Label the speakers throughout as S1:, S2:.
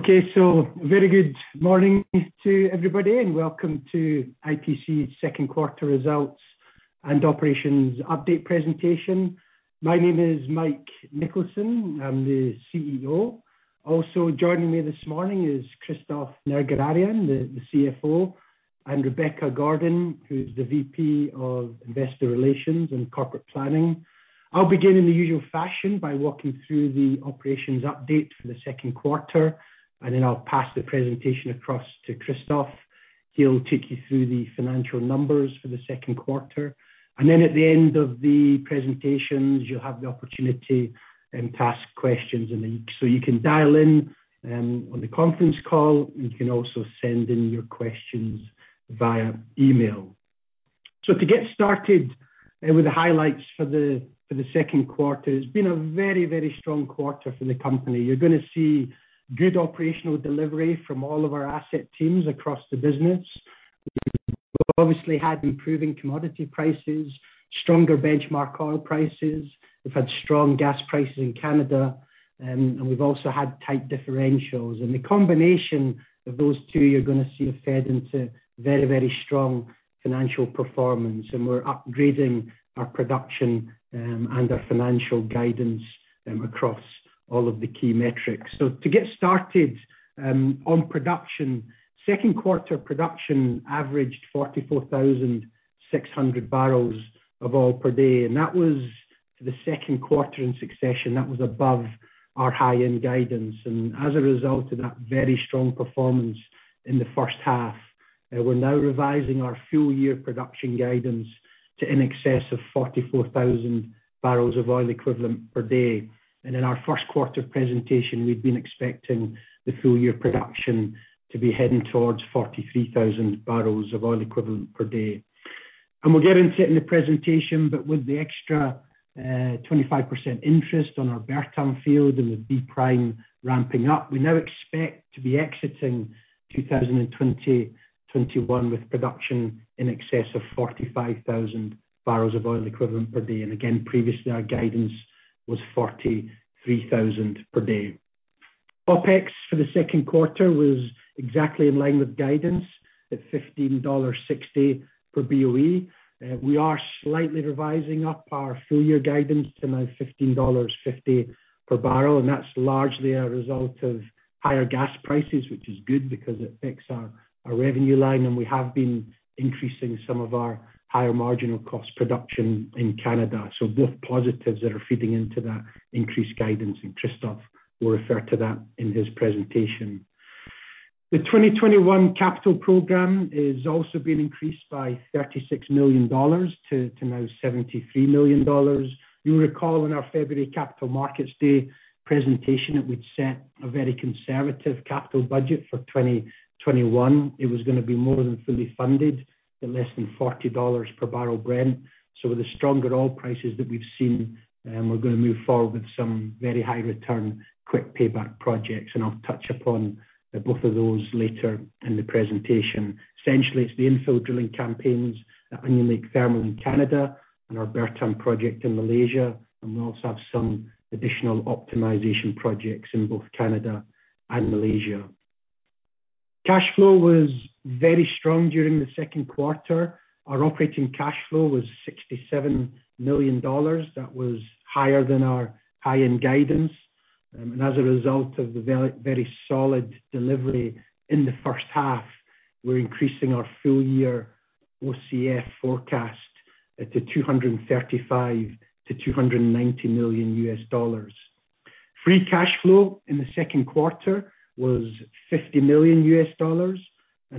S1: Okay. Very good morning to everybody, and welcome to IPC's second quarter results and operations update presentation. My name is Mike Nicholson. I'm the CEO. Also joining me this morning is Christophe Nerguararian, the CFO, and Rebecca Gordon, who's the VP of Investor Relations and Corporate Planning. I'll begin in the usual fashion by walking through the operations update for the 2nd quarter, and then I'll pass the presentation across to Christophe. He'll take you through the financial numbers for the second quarter. Then at the end of the presentations, you'll have the opportunity to ask questions. You can dial in on the conference call, you can also send in your questions via email. To get started with the highlights for the second quarter, it's been a very, very strong quarter for the company. You're going to see good operational delivery from all of our asset teams across the business. We've obviously had improving commodity prices, stronger benchmark oil prices. We've had strong gas prices in Canada, and we've also had tight differentials. The combination of those two, you're going to see have fed into very, very strong financial performance. We're upgrading our production and our financial guidance across all of the key metrics. To get started on production, second quarter production averaged 44,600 bbl of oil per day, and that was to the second quarter in succession. That was above our high-end guidance. As a result of that very strong performance in the first half, we're now revising our full-year production guidance to in excess of 44,000 bbl of oil equivalent per day. In our first quarter presentation, we'd been expecting the full-year production to be heading towards 43,000 bbl of oil equivalent per day. We'll get into it in the presentation, but with the extra 25% interest on our Bertam field and the D-Prime ramping up, we now expect to be exiting 2021 with production in excess of 45,000 bbl of oil equivalent per day. Previously our guidance was 43,000 bbl per day. OpEx for the second quarter was exactly in line with guidance at $15.60 per BOE. We are slightly revising up our full-year guidance to now $15.50 per bbl, and that's largely a result of higher gas prices, which is good because it affects our revenue line, and we have been increasing some of our higher marginal cost production in Canada. Both positives that are feeding into that increased guidance, and Christophe will refer to that in his presentation. The 2021 capital program is also being increased by $36 million to now $73 million. You'll recall in our February Capital Markets Day presentation that we'd set a very conservative capital budget for 2021. It was going to be more than fully funded at less than $40 per barrel Brent. With the stronger oil prices that we've seen, we're going to move forward with some very high return, quick payback projects, and I'll touch upon both of those later in the presentation. Essentially, it's the infill drilling campaigns at Onion Lake Thermal in Canada and our Bertam project in Malaysia, and we also have some additional optimization projects in both Canada and Malaysia. Cash flow was very strong during the second quarter. Our operating cash flow was $67 million. That was higher than our high-end guidance. As a result of the very solid delivery in the first half, we're increasing our full-year OCF forecast to $235 million-$290 million. Free cash flow in the second quarter was $50 million.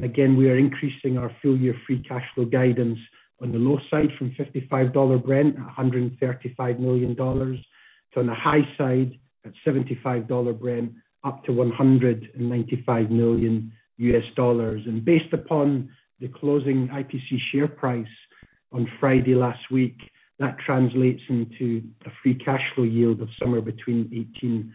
S1: Again, we are increasing our full-year free cash flow guidance on the low side from $55 Brent at $135 million, to on the high side at $75 Brent up to $195 million. Based upon the closing IPC share price on Friday last week, that translates into a free cash flow yield of somewhere between 18%-26%.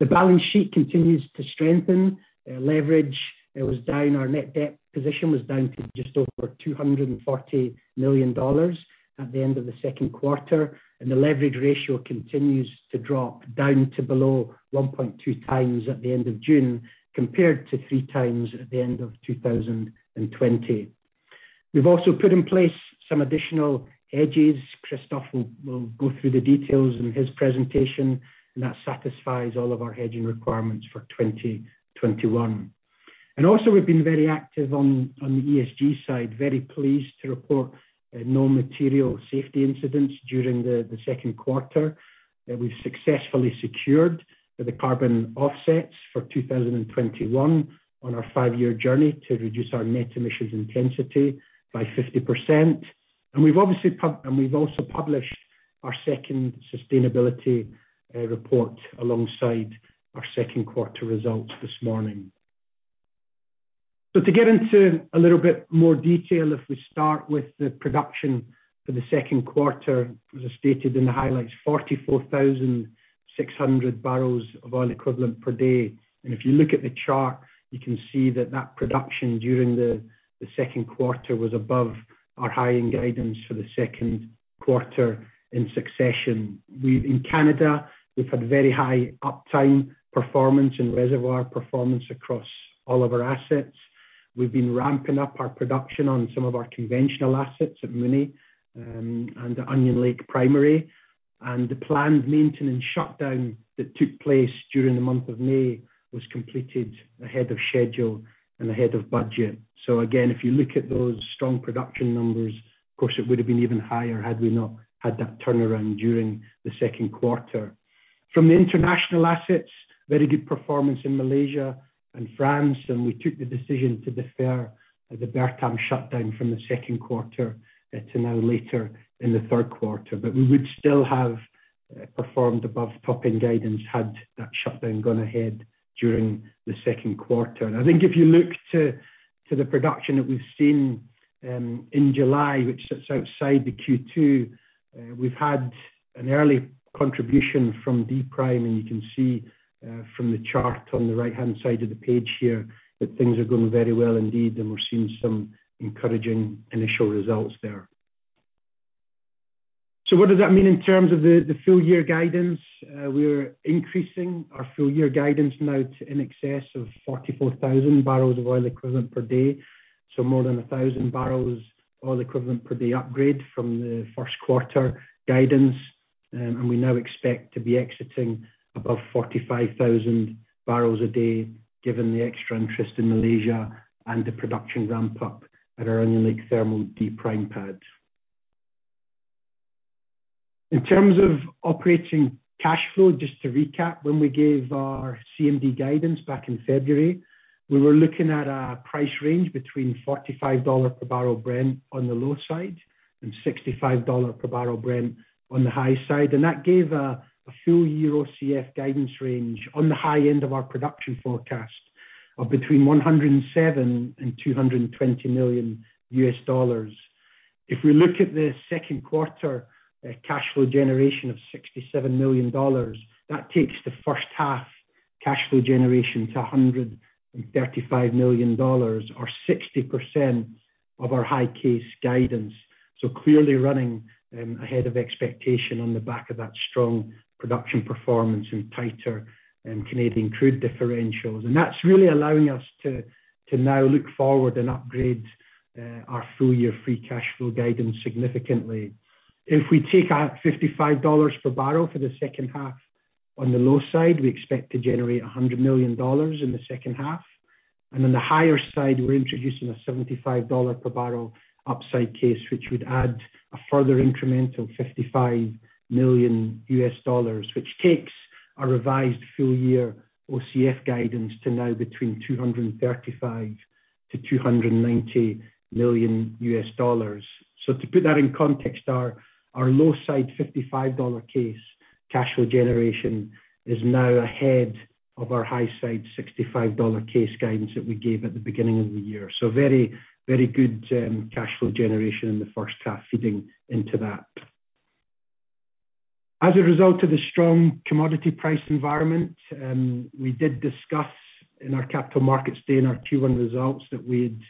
S1: The balance sheet continues to strengthen. Leverage was down. Our net debt position was down to just over $240 million at the end of the second quarter. The leverage ratio continues to drop down to below 1.2 times at the end of June, compared to 3 times at the end of 2020. Christophe will go through the details in his presentation, and that satisfies all of our hedging requirements for 2021. Also we've been very active on the ESG side. Very pleased to report no material safety incidents during the second quarter. We've successfully secured the carbon offsets for 2021 on our five-year journey to reduce our net emissions intensity by 50%. We've also published our second sustainability report alongside our second quarter results this morning. To get into a little bit more detail, if we start with the production for the second quarter, as I stated in the highlights, 44,600 bbl of oil equivalent per day. If you look at the chart, you can see that that production during the second quarter was above our hiring guidance for the second quarter in succession. In Canada, we've had very high uptime performance and reservoir performance across all of our assets. We've been ramping up our production on some of our conventional assets at Mooney and the Onion Lake Primary. The planned maintenance shutdown that took place during the month of May was completed ahead of schedule and ahead of budget. Again, if you look at those strong production numbers, of course, it would have been even higher had we not had that turnaround during the second quarter. From the international assets, very good performance in Malaysia and France. We took the decision to defer the Bertam shutdown from the second quarter to now later in the third quarter. We would still have performed above top-end guidance had that shutdown gone ahead during the second quarter. I think if you look to the production that we've seen in July, which sits outside the Q2, we've had an early contribution from D-Prime. You can see from the chart on the right-hand side of the page here, that things are going very well indeed, and we're seeing some encouraging initial results there. What does that mean in terms of the full-year guidance? We're increasing our full-year guidance now to in excess of 44,000 bbl of oil equivalent per day. More than 1,000 bbl oil equivalent per day upgrade from the first quarter guidance. We now expect to be exiting above 45,000 bbl a day given the extra interest in Malaysia and the production ramp up at our Onion Lake Thermal D-Prime pads. In terms of operating cash flow, just to recap, when we gave our CMD guidance back in February, we were looking at a price range between $45 per bbl Brent on the low side and $65 per bbl Brent on the high side. That gave a full-year OCF guidance range on the high end of our production forecast of between $107 million and $220 million. If we look at the second quarter cash flow generation of $67 million, that takes the first half cash flow generation to $135 million or 60% of our high case guidance. Clearly running ahead of expectation on the back of that strong production performance and tighter Canadian crude differentials. That's really allowing us to now look forward and upgrade our full-year free cash flow guidance significantly. If we take out $55 per bbl for the second half on the low side, we expect to generate $100 million in the second half. On the higher side, we're introducing a $75 per bbl upside case, which would add a further increment of $55 million, which takes our revised full-year OCF guidance to now between $235 million-$290 million. To put that in context, our low side $55 case cash flow generation is now ahead of our high side $65 case guidance that we gave at the beginning of the year. Very good cash flow generation in the first half feeding into that. As a result of the strong commodity price environment, we did discuss in our Capital Markets Day and our Q1 results that we'd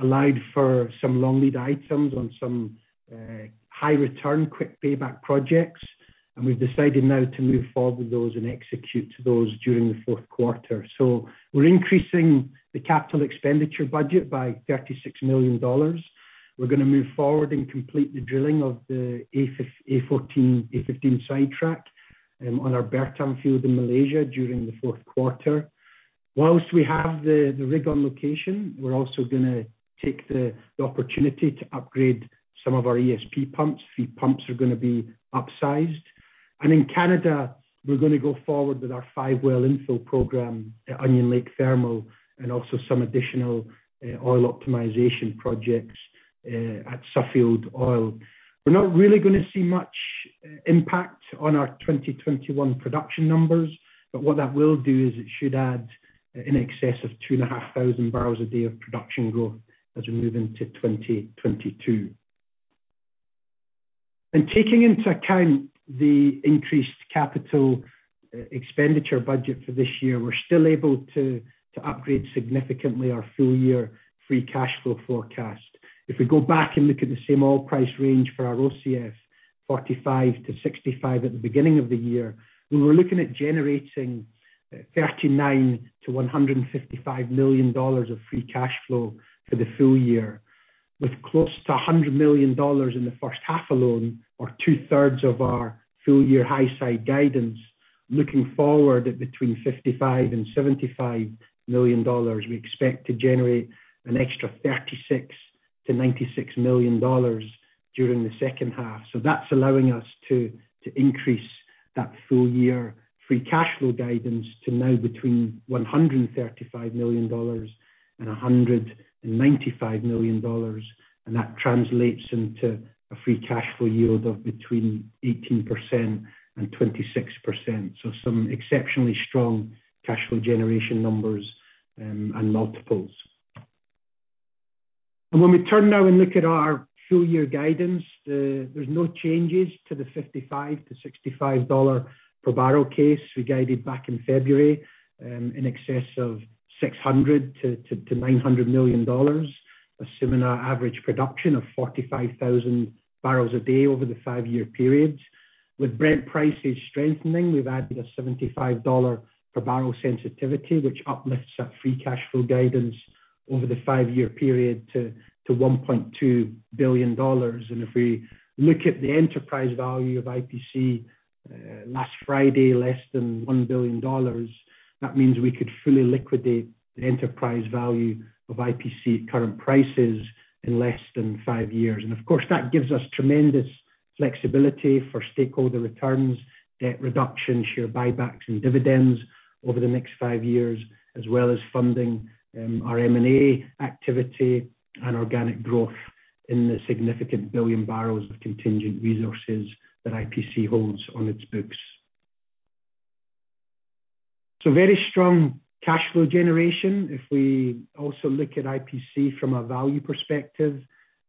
S1: allowed for some long lead items on some high return, quick payback projects. We've decided now to move forward with those and execute those during the fourth quarter. We're increasing the capital expenditure budget by $36 million. We're going to move forward and complete the drilling of the A14, A15 sidetrack on our Bertam field in Malaysia during the fourth quarter. Whilst we have the rig on location, we're also going to take the opportunity to upgrade some of our ESP pumps. Three pumps are going to be upsized. In Canada, we're going to go forward with our five-well infill program at Onion Lake Thermal and also some additional oil optimization projects at Suffield Oil. We're not really going to see much impact on our 2021 production numbers, but what that will do is it should add in excess of 2,500 bbl a day of production growth as we move into 2022. Taking into account the increased capital expenditure budget for this year, we're still able to upgrade significantly our full-year free cash flow forecast. If we go back and look at the same oil price range for our OCF, $45-$65 at the beginning of the year, we were looking at generating $39 million-$155 million of free cash flow for the full year, with close to $100 million in the first half alone or 2/3 of our full-year high side guidance. Looking forward at between $55 million and $75 million, we expect to generate an extra $36 million-$96 million during the second half. That's allowing us to increase that full-year free cash flow guidance to now between $135 million and $195 million. That translates into a free cash flow yield of between 18% and 26%. Some exceptionally strong cash flow generation numbers and multiples. When we turn now and look at our full year guidance, there's no changes to the $55-$65 per bbl case we guided back in February, in excess of $600 million-$900 million, assuming our average production of 45,000 bbl a day over the five-year periods. With Brent prices strengthening, we've added a $75 per bbl sensitivity, which uplifts that free cash flow guidance over the five-year period to $1.2 billion. If we look at the enterprise value of IPC last Friday, less than $1 billion. That means we could fully liquidate the enterprise value of IPC current prices in less than five years. Of course, that gives us tremendous flexibility for stakeholder returns, debt reduction, share buybacks, and dividends over the next five years, as well as funding our M&A activity and organic growth in the significant billion barrels of contingent resources that IPC holds on its books. Very strong cash flow generation. If we also look at IPC from a value perspective,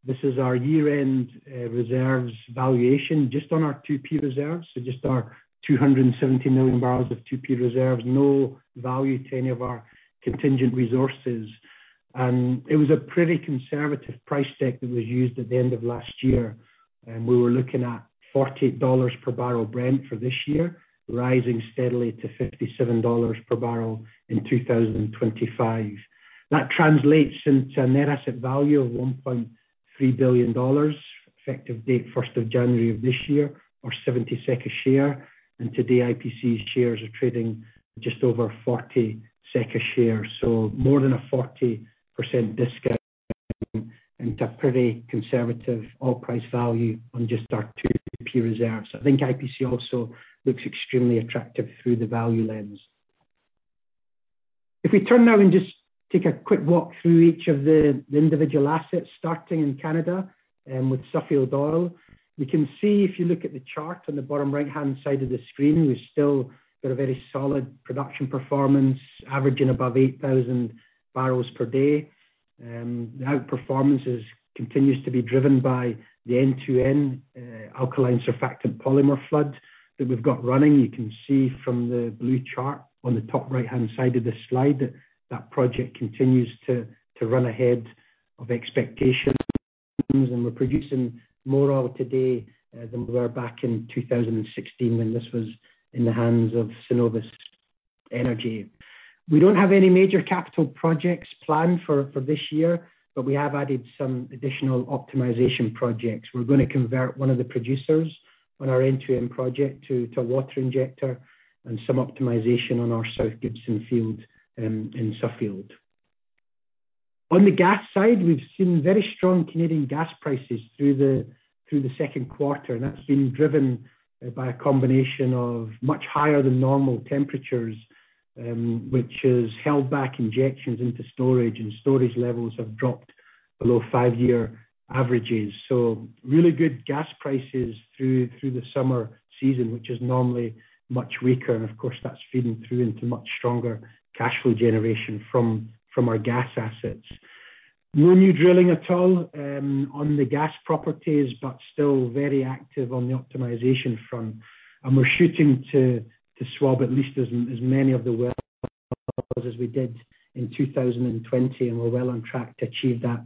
S1: this is our year-end reserves valuation just on our 2P reserves, so just our 270 million bbl of 2P reserves, no value to any of our contingent resources. It was a pretty conservative price tag that was used at the end of last year. We were looking at $40 per bbl Brent for this year, rising steadily to $57 per bbl in 2025. That translates into a net asset value of $1.3 billion, effective date 1st of January of this year, or $0.70 a share. Today, IPC shares are trading just over $0.40 a share. More than a 40% discount into a pretty conservative oil price value on just our 2P reserves. I think IPC also looks extremely attractive through the value lens. If we turn now and just take a quick walk through each of the individual assets, starting in Canada with Suffield Oil. We can see, if you look at the chart on the bottom right-hand side of the screen, we've still got a very solid production performance, averaging above 8,000 bbl per day. The outperformance continues to be driven by the end-to-end alkaline surfactant polymer flood that we've got running. You can see from the blue chart on the top right-hand side of the slide that that project continues to run ahead of expectations, and we're producing more oil today than we were back in 2016 when this was in the hands of Cenovus Energy. We don't have any major capital projects planned for this year, we have added some additional optimization projects. We're going to convert one of the producers on our end-to-end project to a water injector and some optimization on our South Gibson field in Suffield. On the gas side, we've seen very strong Canadian gas prices through the second quarter, that's been driven by a combination of much higher than normal temperatures, which has held back injections into storage, and storage levels have dropped below five-year averages. Really good gas prices through the summer season, which is normally much weaker. Of course, that's feeding through into much stronger cash flow generation from our gas assets. No new drilling at all on the gas properties, but still very active on the optimization front. We're shooting to swab at least as many of the wells as we did in 2020, and we're well on track to achieve that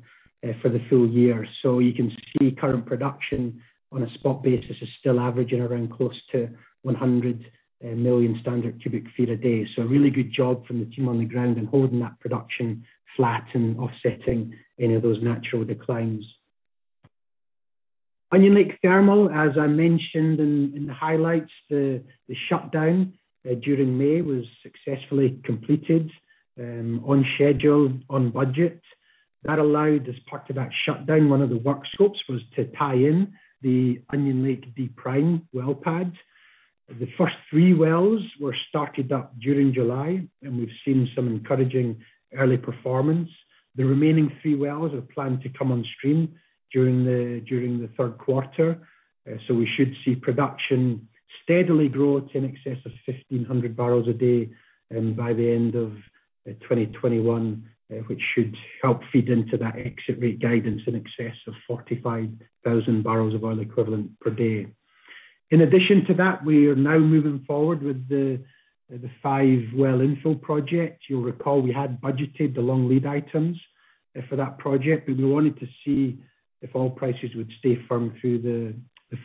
S1: for the full year. You can see current production on a spot basis is still averaging around close to 100 million standard cubic feet a day. A really good job from the team on the ground in holding that production flat and offsetting any of those natural declines. Onion Lake Thermal, as I mentioned in the highlights, the shutdown during May was successfully completed on schedule, on budget. That allowed, as part of that shutdown, one of the work scopes was to tie in the Onion Lake D prime well pad. The first three wells were started up during July, and we've seen some encouraging early performance. The remaining three wells are planned to come on stream during the third quarter. We should see production steadily grow to in excess of 1,500 bbl a day by the end of 2021, which should help feed into that exit rate guidance in excess of 45,000 bbl of oil equivalent per day. In addition to that, we are now moving forward with the five well infill project. You'll recall we had budgeted the long lead items for that project, but we wanted to see if oil prices would stay firm through the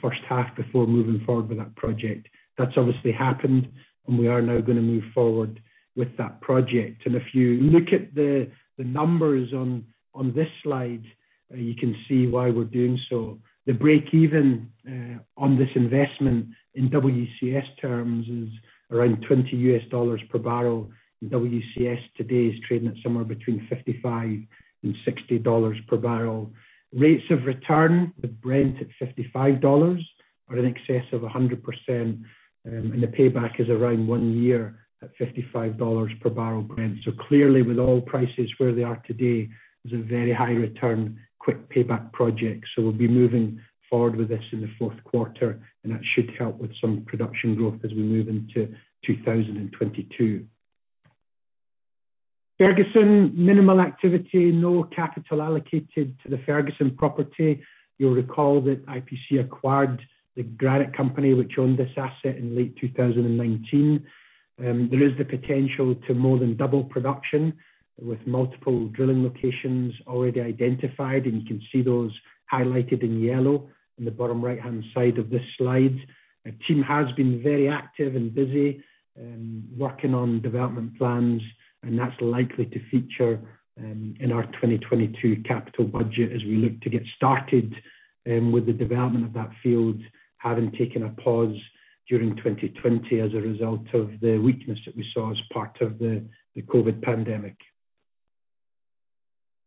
S1: first half before moving forward with that project. That's obviously happened. We are now going to move forward with that project. If you look at the numbers on this slide, you can see why we're doing so. The break-even on this investment in WCS terms is around $20 per bbl. WCS today is trading at somewhere between $55-$60 per bbl. Rates of return with Brent at $55 are in excess of 100%, and the payback is around one year at $55 per bbl Brent. Clearly, with oil prices where they are today, it's a very high return, quick payback project. We'll be moving forward with this in the fourth quarter, and that should help with some production growth as we move into 2022. Ferguson, minimal activity. No capital allocated to the Ferguson property. You'll recall that IPC acquired the Granite company which owned this asset in late 2019. There is the potential to more than double production with multiple drilling locations already identified, and you can see those highlighted in yellow in the bottom right-hand side of this slide. Our team has been very active and busy working on development plans, and that's likely to feature in our 2022 capital budget as we look to get started with the development of that field, having taken a pause during 2020 as a result of the weakness that we saw as part of the COVID pandemic.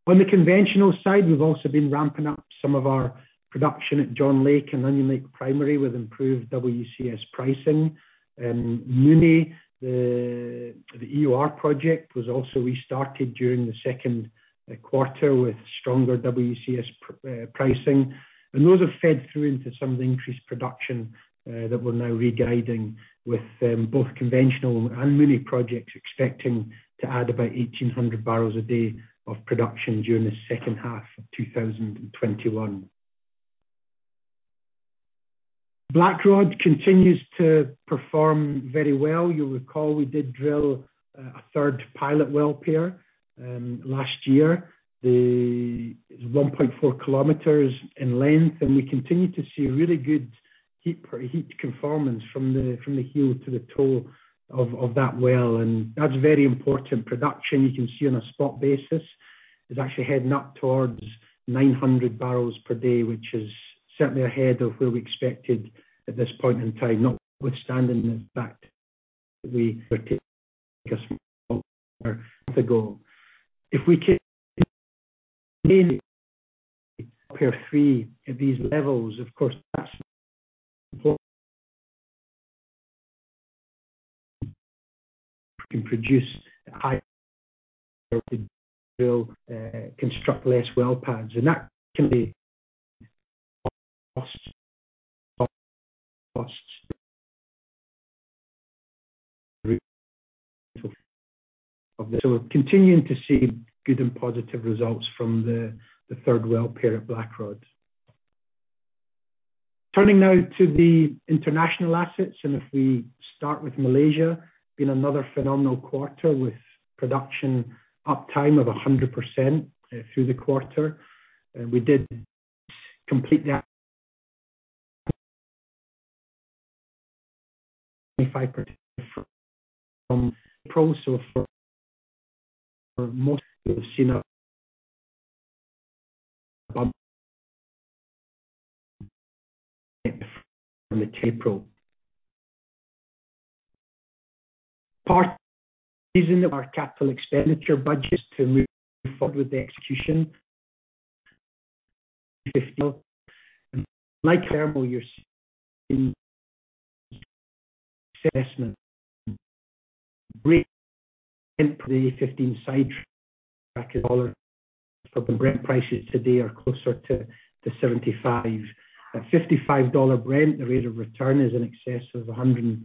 S1: On the conventional side, we've also been ramping up some of our production at John Lake and Onion Lake Primary with improved WCS pricing. Mooney, the EOR project, was also restarted during the second quarter with stronger WCS pricing. Those have fed through into some of the increased production that we're now re-guiding with both conventional and Mooney projects expecting to add about 1,800 barrels a day of production during the second half of 2021. Blackrod continues to perform very well. You'll recall we did drill a third pilot well pair last year. It's 1.4 km in length, and we continue to see really good heat conformance from the heel to the toe of that well. That's very important. Production, you can see on a spot basis, is actually heading up towards 900 bbl per day, which is certainly ahead of where we expected at this point in time, notwithstanding the fact that we were taking a small ago. If we take well pair three at these levels, of course, that's can produce high construct less well pads. That can be costs. We're continuing to see good and positive results from the third well pair at Blackrod. Turning now to the international assets, and if we start with Malaysia, it's been another phenomenal quarter with production uptime of 100% through the quarter. We did complete the from April. Part of the reason that our capital expenditure budget is to move forward with the execution like thermal, you're seeing assessment. Great. Brent prices today are closer to $75. At $55 Brent, the rate of return is in excess of 150%,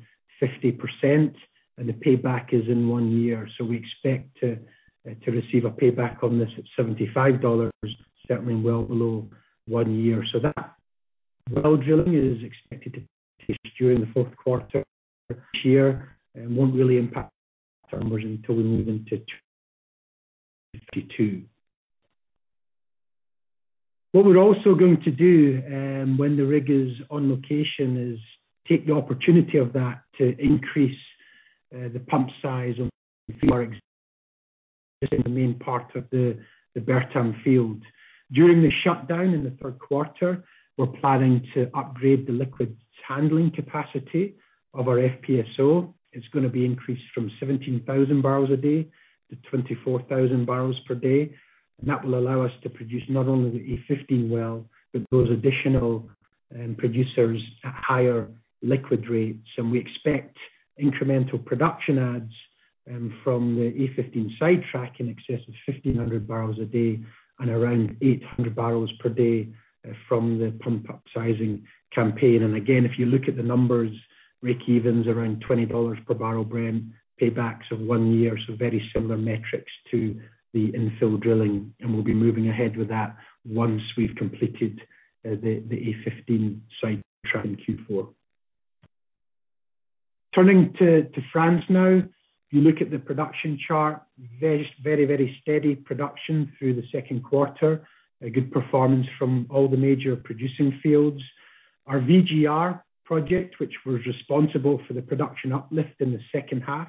S1: and the payback is in one year. We expect to receive a payback on this at $75, certainly well below one year. That well drilling is expected to take place during the fourth quarter of this year and won't really impact our numbers until we move into 2022. What we're also going to do when the rig is on location is take the opportunity of that to increase the pump size of the main part of the Bertam field. During the shutdown in the third quarter, we're planning to upgrade the liquids handling capacity of our FPSO. It's going to be increased from 17,000 bbl a day to 24,000 bbl per day. That will allow us to produce not only the A15 well, but those additional producers at higher liquid rates. We expect incremental production adds from the A15 sidetrack in excess of 1,500 bbl a day and around 800 bbl per day from the pump upsizing campaign. Again, if you look at the numbers, breakevens around $20 per bbl Brent, paybacks of one year. Very similar metrics to the infill drilling. We'll be moving ahead with that once we've completed the A15 sidetrack in Q4. Turning to France now. If you look at the production chart, very steady production through the second quarter. A good performance from all the major producing fields. Our VGR project, which was responsible for the production uplift in the second half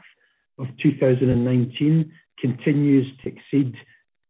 S1: of 2019, continues to exceed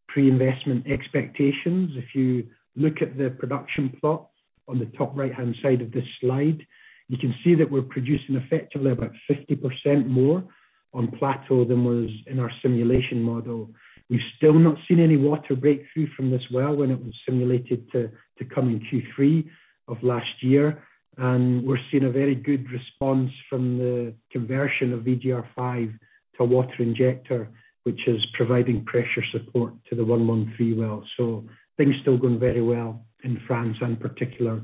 S1: pre-investment expectations. If you look at the production plot on the top right-hand side of this slide, you can see that we're producing effectively about 50% more on plateau than was in our simulation model. We've still not seen any water breakthrough from this well when it was simulated to come in Q3 of last year. We're seeing a very good response from the conversion of VGR 5 to a water injector, which is providing pressure support to the 113 well. Things still going very well in France, in particular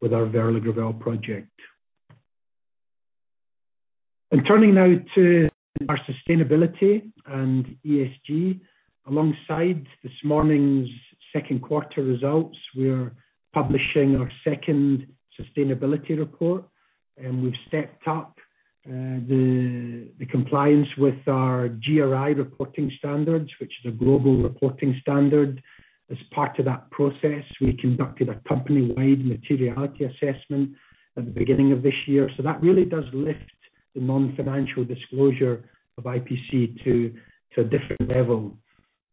S1: with our VGR 5 project. And turning now to our sustainability and ESG. Alongside this morning's second quarter results, we are publishing our second sustainability report, and we've stepped up the compliance with our GRI reporting standards, which is a global reporting standard. As part of that process, we conducted a company-wide materiality assessment at the beginning of this year. That really does lift the non-financial disclosure of IPC to a different level.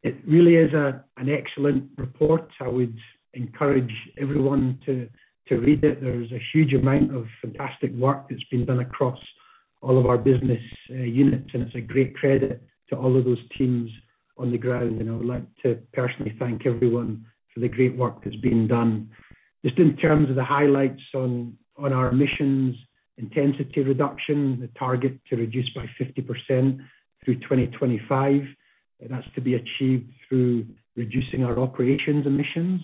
S1: It really is an excellent report. I would encourage everyone to read it. There is a huge amount of fantastic work that's been done across all of our business units, and it's a great credit to all of those teams on the ground, and I would like to personally thank everyone for the great work that's been done. Just in terms of the highlights on our emissions intensity reduction, the target to reduce by 50% through 2025, that's to be achieved through reducing our operations emissions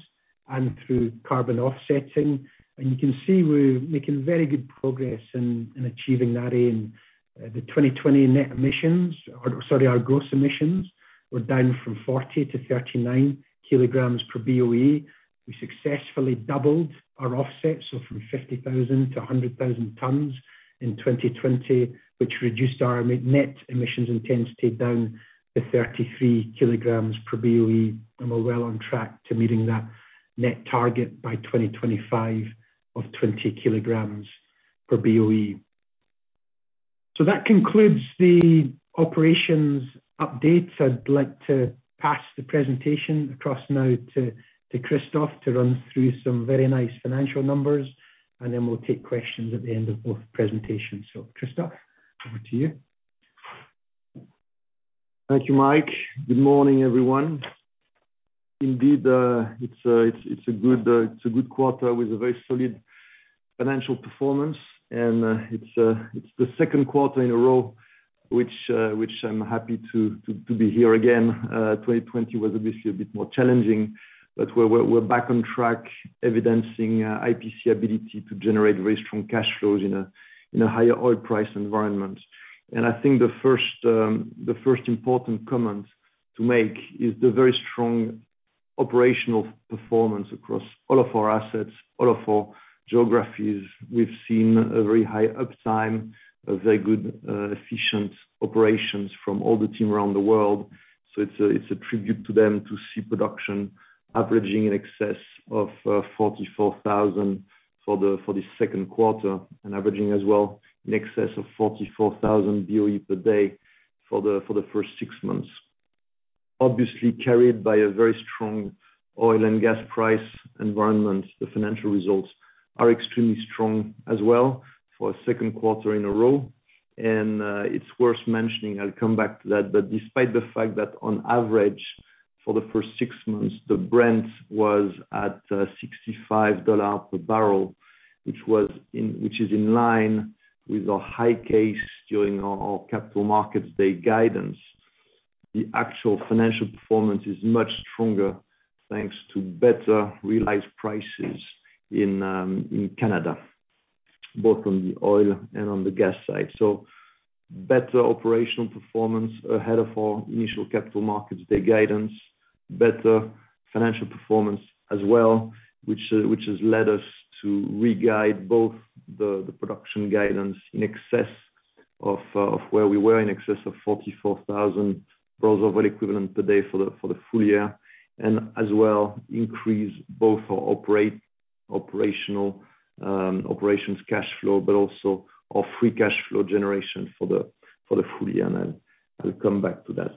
S1: and through carbon offsetting. You can see we're making very good progress in achieving that aim. The 2020 net emissions, or sorry, our gross emissions, were down from 40 kg to 39 kg per BOE. We successfully doubled our offsets, so from 50,000 tons to 100,000 tons in 2020, which reduced our net emissions intensity down to 33 kg per BOE. We're well on track to meeting that net target by 2025 of 20 kg per BOE. That concludes the operations updates. I'd like to pass the presentation across now to Christophe to run through some very nice financial numbers, and then we'll take questions at the end of both presentations. Christophe, over to you.
S2: Thank you, Mike. Good morning, everyone. Indeed, it's a good quarter with a very solid financial performance. It's the second quarter in a row, which I'm happy to be here again. 2020 was obviously a bit more challenging, but we're back on track evidencing IPC ability to generate very strong cash flows in a higher oil price environment. I think the first important comment to make is the very strong operational performance across all of our assets, all of our geographies. We've seen a very high uptime, a very good, efficient operations from all the team around the world. It's a tribute to them to see production averaging in excess of 44,000 for the second quarter and averaging as well in excess of 44,000 BOE per day for the first six months. Obviously, carried by a very strong oil and gas price environment. The financial results are extremely strong as well for a second quarter in a row. It's worth mentioning, I'll come back to that, but despite the fact that on average for the first six months, the Brent was at $65 per bbl, which is in line with our high case during our Capital Markets Day guidance. The actual financial performance is much stronger, thanks to better realized prices in Canada, both on the oil and on the gas side. Better operational performance ahead of our initial Capital Markets Day guidance, better financial performance as well, which has led us to re-guide both the production guidance in excess of where we were, in excess of 44,000 bbl of oil equivalent per day for the full year. As well, increase both our operating cash flow, but also our free cash flow generation for the full year, and I'll come back to that.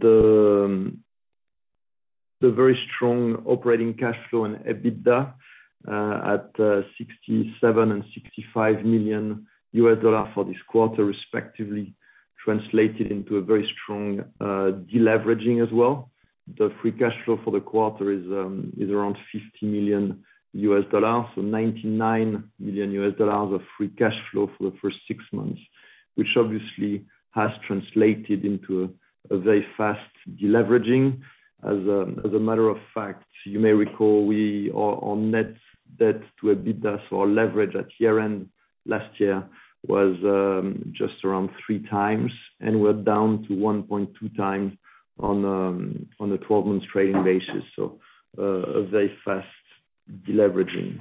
S2: The very strong operating cash flow and EBITDA at $67 million and $65 million for this quarter, respectively, translated into a very strong deleveraging as well. The free cash flow for the quarter is around $50 million, $99 million of free cash flow for the first six months, which obviously has translated into a very fast deleveraging. As a matter of fact, you may recall our net debt to EBITDA, so our leverage at year-end last year was just around three times, we're down to 1.2 times on a 12-month trading basis. A very fast deleveraging.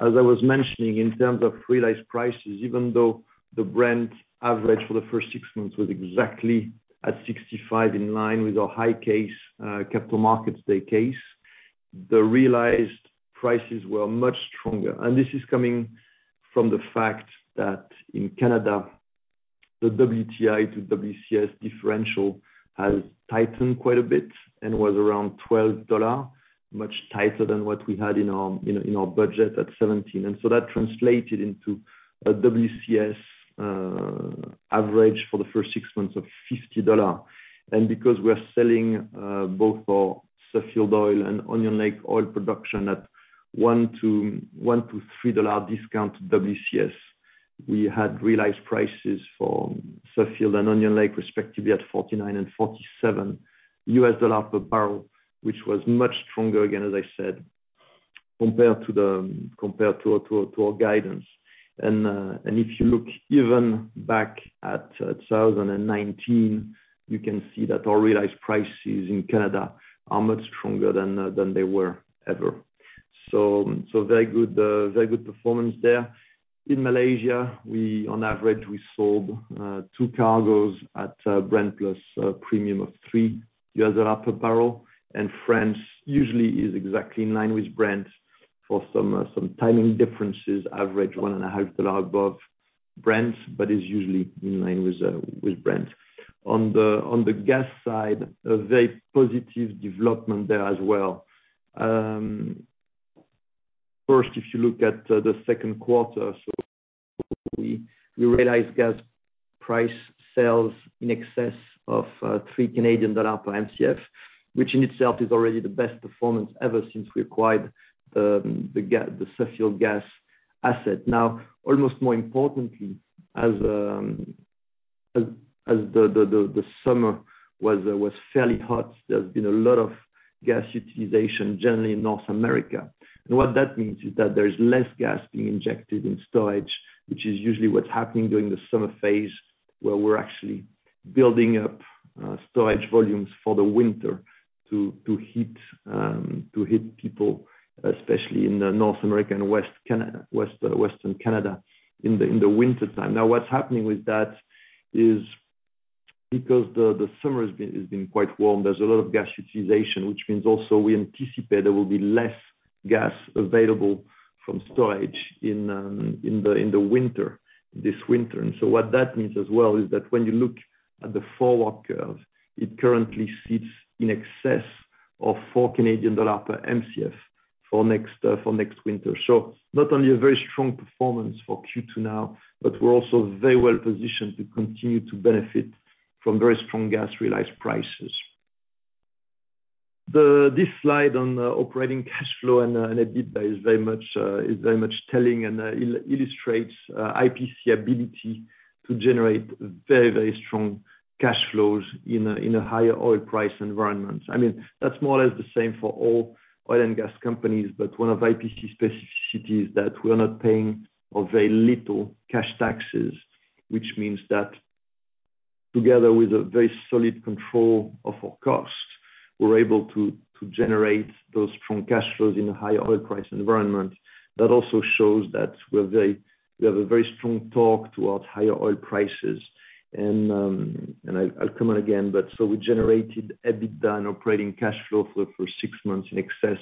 S2: As I was mentioning, in terms of realized prices, even though the Brent average for the first six months was exactly at 65, in line with our high case, Capital Markets Day case, the realized prices were much stronger. This is coming from the fact that in Canada, the WTI to WCS differential has tightened quite a bit and was around $12, much tighter than what we had in our budget at $17. That translated into a WCS average for the first six months of $50. Because we are selling both our Suffield oil and Onion Lake oil production at a $1-$3 discount to WCS. We had realized prices for Suffield and Onion Lake, respectively, at $49 and $47 per bbl, which was much stronger, again, as I said, compared to our guidance. If you look even back at 2019, you can see that our realized prices in Canada are much stronger than they were ever. Very good performance there. In Malaysia, on average, we sold two cargos at Brent plus a premium of $3 per barrel, and France usually is exactly in line with Brent. For some timing differences, average $1.5 above Brent, but is usually in line with Brent. On the gas side, a very positive development there as well. First, if you look at the second quarter, we realized gas price sales in excess of C$3 per Mcf, which in itself is already the best performance ever since we acquired the Suffield gas asset. Almost more importantly, as the summer was fairly hot, there's been a lot of gas utilization, generally in North America. What that means is that there's less gas being injected in storage, which is usually what's happening during the summer phase, where we're actually building up storage volumes for the winter to heat people, especially in North America and Western Canada in the wintertime. What's happening with that is because the summer has been quite warm, there's a lot of gas utilization, which means also we anticipate there will be less gas available from storage in the winter, this winter. What that means as well is that when you look at the forward curves, it currently sits in excess of C$4 per Mcf for next winter. Not only a very strong performance for Q2 now, but we're also very well positioned to continue to benefit from very strong gas realized prices. This slide on operating cash flow and EBITDA is very much telling and illustrates IPC ability to generate very, very strong cash flows in a higher oil price environment. I mean, that's more or less the same for all oil and gas companies, but one of IPC's specificity is that we are not paying, or very little, cash taxes, which means that together with a very solid control of our cost, we're able to generate those strong cash flows in a higher oil price environment. That also shows that we have a very strong torque towards higher oil prices. I'll come on again, but so we generated EBITDA and operating cash flow for six months in excess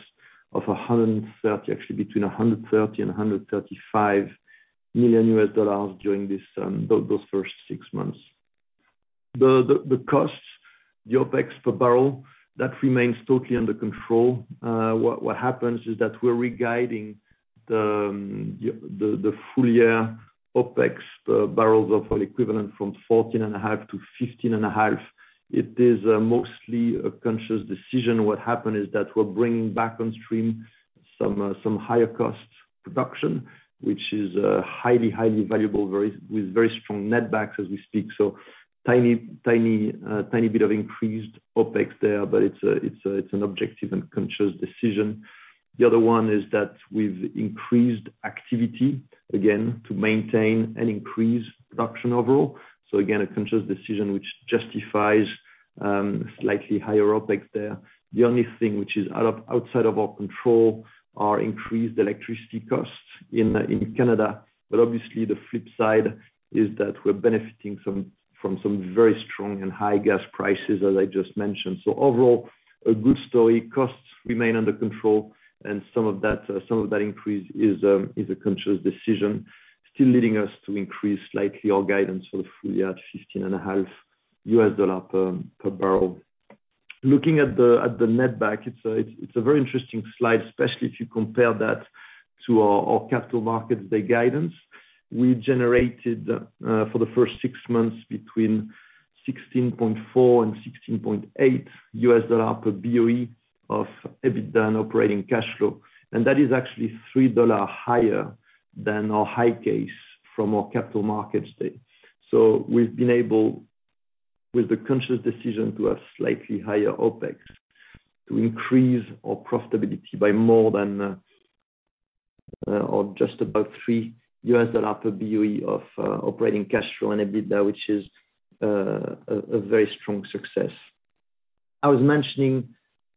S2: of $130 million, actually between $130 million and $135 million during those first six months. The costs, the OpEx per barrel, that remains totally under control. What happens is that we're re-guiding the full-year OpEx barrels of oil equivalent from 14.5 to 15.5. It is mostly a conscious decision. What happened is that we're bringing back on stream some higher cost production, which is highly valuable, with very strong netbacks as we speak. Tiny bit of increased OpEx there, but it's an objective and conscious decision. The other one is that we've increased activity, again, to maintain and increase production overall. Again, a conscious decision, which justifies slightly higher OpEx there. The only thing which is out of our control are increased electricity costs in Canada. Obviously the flip side is that we're benefiting from some very strong and high gas prices, as I just mentioned. Overall, a good story. Costs remain under control. Some of that increase is a conscious decision, still leading us to increase slightly our guidance for the full year at $15.5 per bbl. Looking at the net back, it's a very interesting slide, especially if you compare that to our Capital Markets Day guidance. We generated, for the first six months, between $16.4 and $16.8 per BOE of EBITDA and operating cash flow. That is actually $3 higher than our high case from our Capital Markets Day. So, we've been able, with the conscious decision to have slightly higher OpEx, to increase our profitability by more than, or just about $3 per BOE of operating cash flow and EBITDA, which is a very strong success. I was mentioning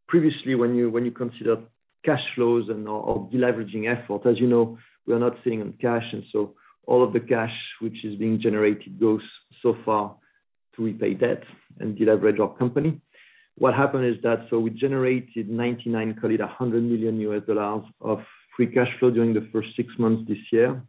S2: previously, when you consider cash flows and our deleveraging effort, as you know, we are not sitting on cash, and so all of the cash which is being generated goes so far to repay debt and deleverage our company. What happened is that, so we generated $99, call it $100 million of free cash flow during the first six months this year.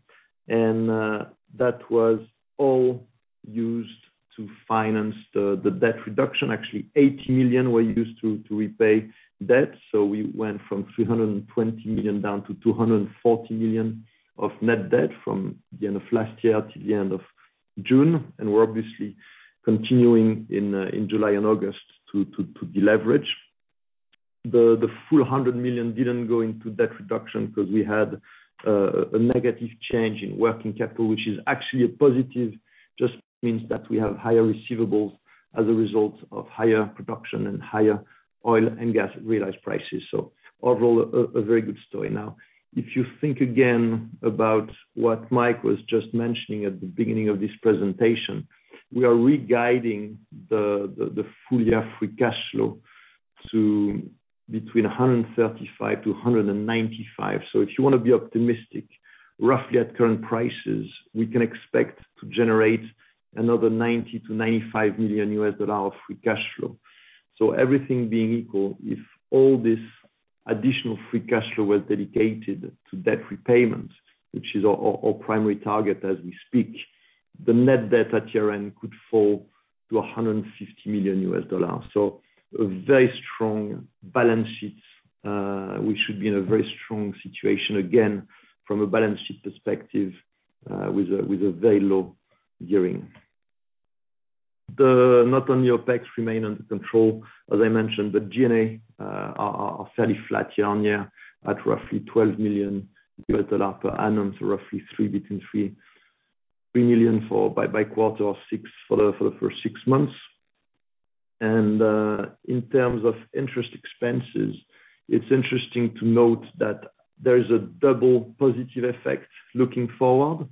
S2: That was all used to finance the debt reduction. Actually, $80 million were used to repay debt. We went from $320 million down to $240 million of net debt from the end of last year to the end of June. We're obviously continuing in July and August to deleverage. The full $100 million didn't go into debt reduction because we had a negative change in working capital, which is actually a positive, just means that we have higher receivables as a result of higher production and higher oil and gas realized prices. Overall, a very good story. If you think again about what Mike was just mentioning at the beginning of this presentation, we are re-guiding the full year free cash flow to between $135 million-$195 million. If you want to be optimistic, roughly at current prices, we can expect to generate another $90 million-$95 million of free cash flow. Everything being equal, if all this additional free cash flow was dedicated to debt repayments, which is our primary target as we speak, the net debt at year-end could fall to $150 million. So, a very strong balance sheets. We should be in a very strong situation, again, from a balance sheet perspective, with a very low gearing. The non-linear OpEx remain under control. As I mentioned, the G&A are fairly flat year-on-year at roughly $12 million per annum, roughly between $3 million by quarter or $6 million for the first six months. In terms of interest expenses, it is interesting to note that there is a double positive effect looking forward.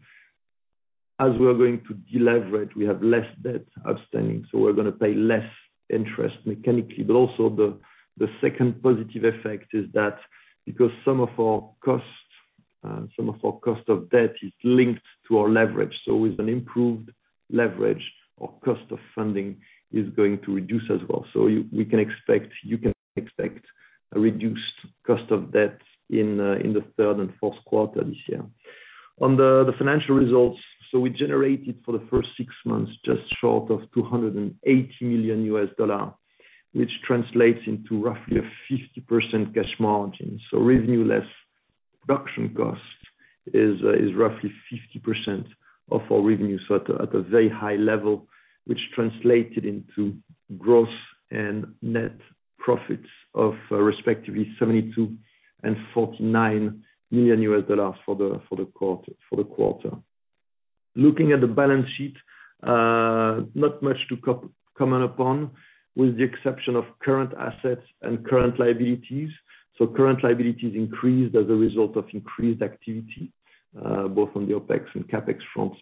S2: As we are going to deleverage, we have less debt outstanding, so we are going to pay less interest mechanically. Also the second positive effect is that because some of our cost of debt is linked to our leverage, with an improved leverage, our cost of funding is going to reduce as well. You can expect a reduced cost of debt in the third and fourth quarter this year. On the financial results, we generated for the first six months just short of $280 million, which translates into roughly a 50% cash margin. Revenue less production cost is roughly 50% of our revenue. At a very high level, which translated into gross and net profits of respectively $72 million and $49 million for the quarter. Looking at the balance sheet, not much to comment upon, with the exception of current assets and current liabilities. Current liabilities increased as a result of increased activity, both on the OpEx and CapEx fronts.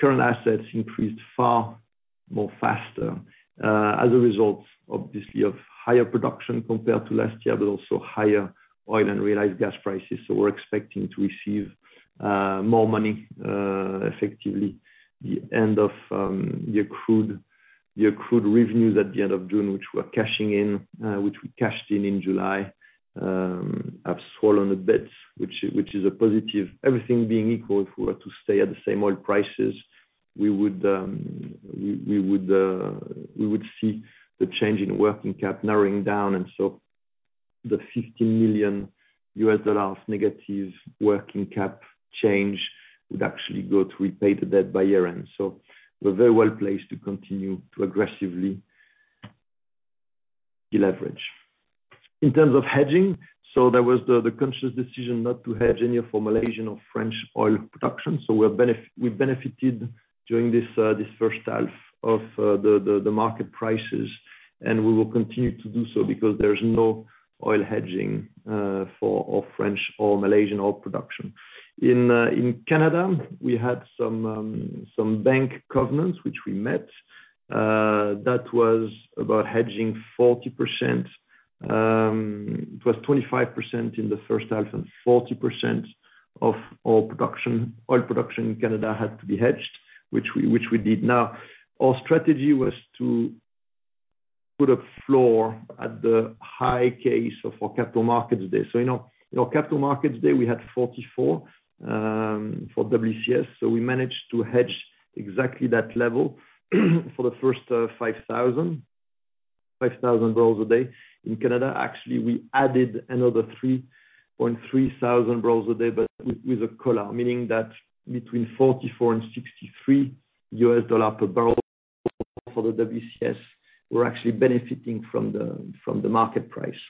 S2: Current assets increased far more faster, as a result, obviously, of higher production compared to last year, also higher oil and realized gas prices. We're expecting to receive more money, effectively the end of the accrued revenues at the end of June, which we cashed in July, have swollen the debts, which is a positive. Everything being equal, if we were to stay at the same oil prices, we would see the change in working cap narrowing down. The $50 million negative working cap change would actually go to repay the debt by year-end. We're very well-placed to continue to aggressively deleverage. In terms of hedging, there was the conscious decision not to hedge any of Malaysian or French oil production. We benefited during this first half of the market prices, and we will continue to do so because there's no oil hedging, for our French or Malaysian oil production. In Canada, we had some bank covenants, which we met, that was about hedging 40%. It was 25% in the first half and 40% of all oil production in Canada had to be hedged, which we did. Our strategy was to put a floor at the high case of our Capital Markets Day. In our Capital Markets Day, we had $44 for WCS. We managed to hedge exactly that level for the first 5,000 bbl a day in Canada. Actually, we added another 3,300 bbl a day, but with a collar, meaning that between $44 and $63 per bbl for the WCS, we're actually benefiting from the market price,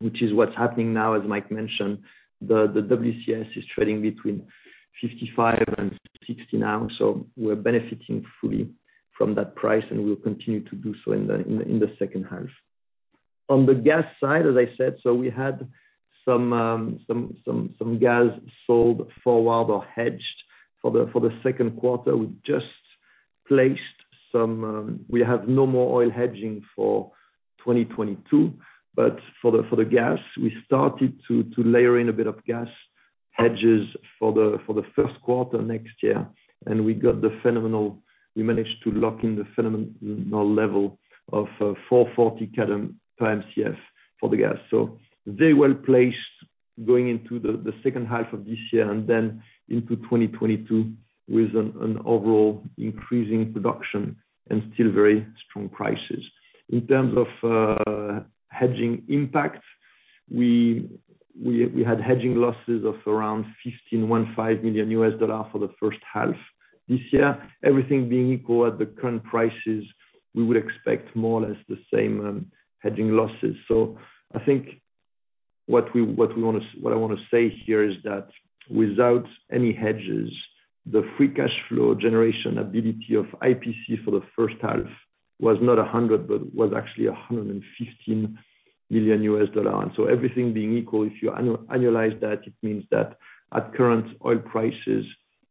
S2: which is what's happening now, as Mike mentioned. The WCS is trading between $55 and $60 now, so we're benefiting fully from that price, and we will continue to do so in the second half. On the gas side, as I said, so we had some gas sold forward or hedged for the second quarter. Just place some a, we have no more oil hedging for 2022, but for the gas, we started to layer in a bit of gas hedges for the first quarter next year. We managed to lock in the phenomenal level of 440 per Mcf for the gas. Very well-placed going into the second half of this year and then into 2022 with an overall increasing production and still very strong prices. In terms of hedging impact. We had hedging losses of around $15.15 million for the first half this year. Everything being equal at the current prices, we would expect more or less the same hedging losses. I think what I want to say here is that without any hedges, the free cash flow generation ability of IPC for the first half was not $100 million, but was actually $115 million. Everything being equal, if you annualize that, it means that at current oil prices,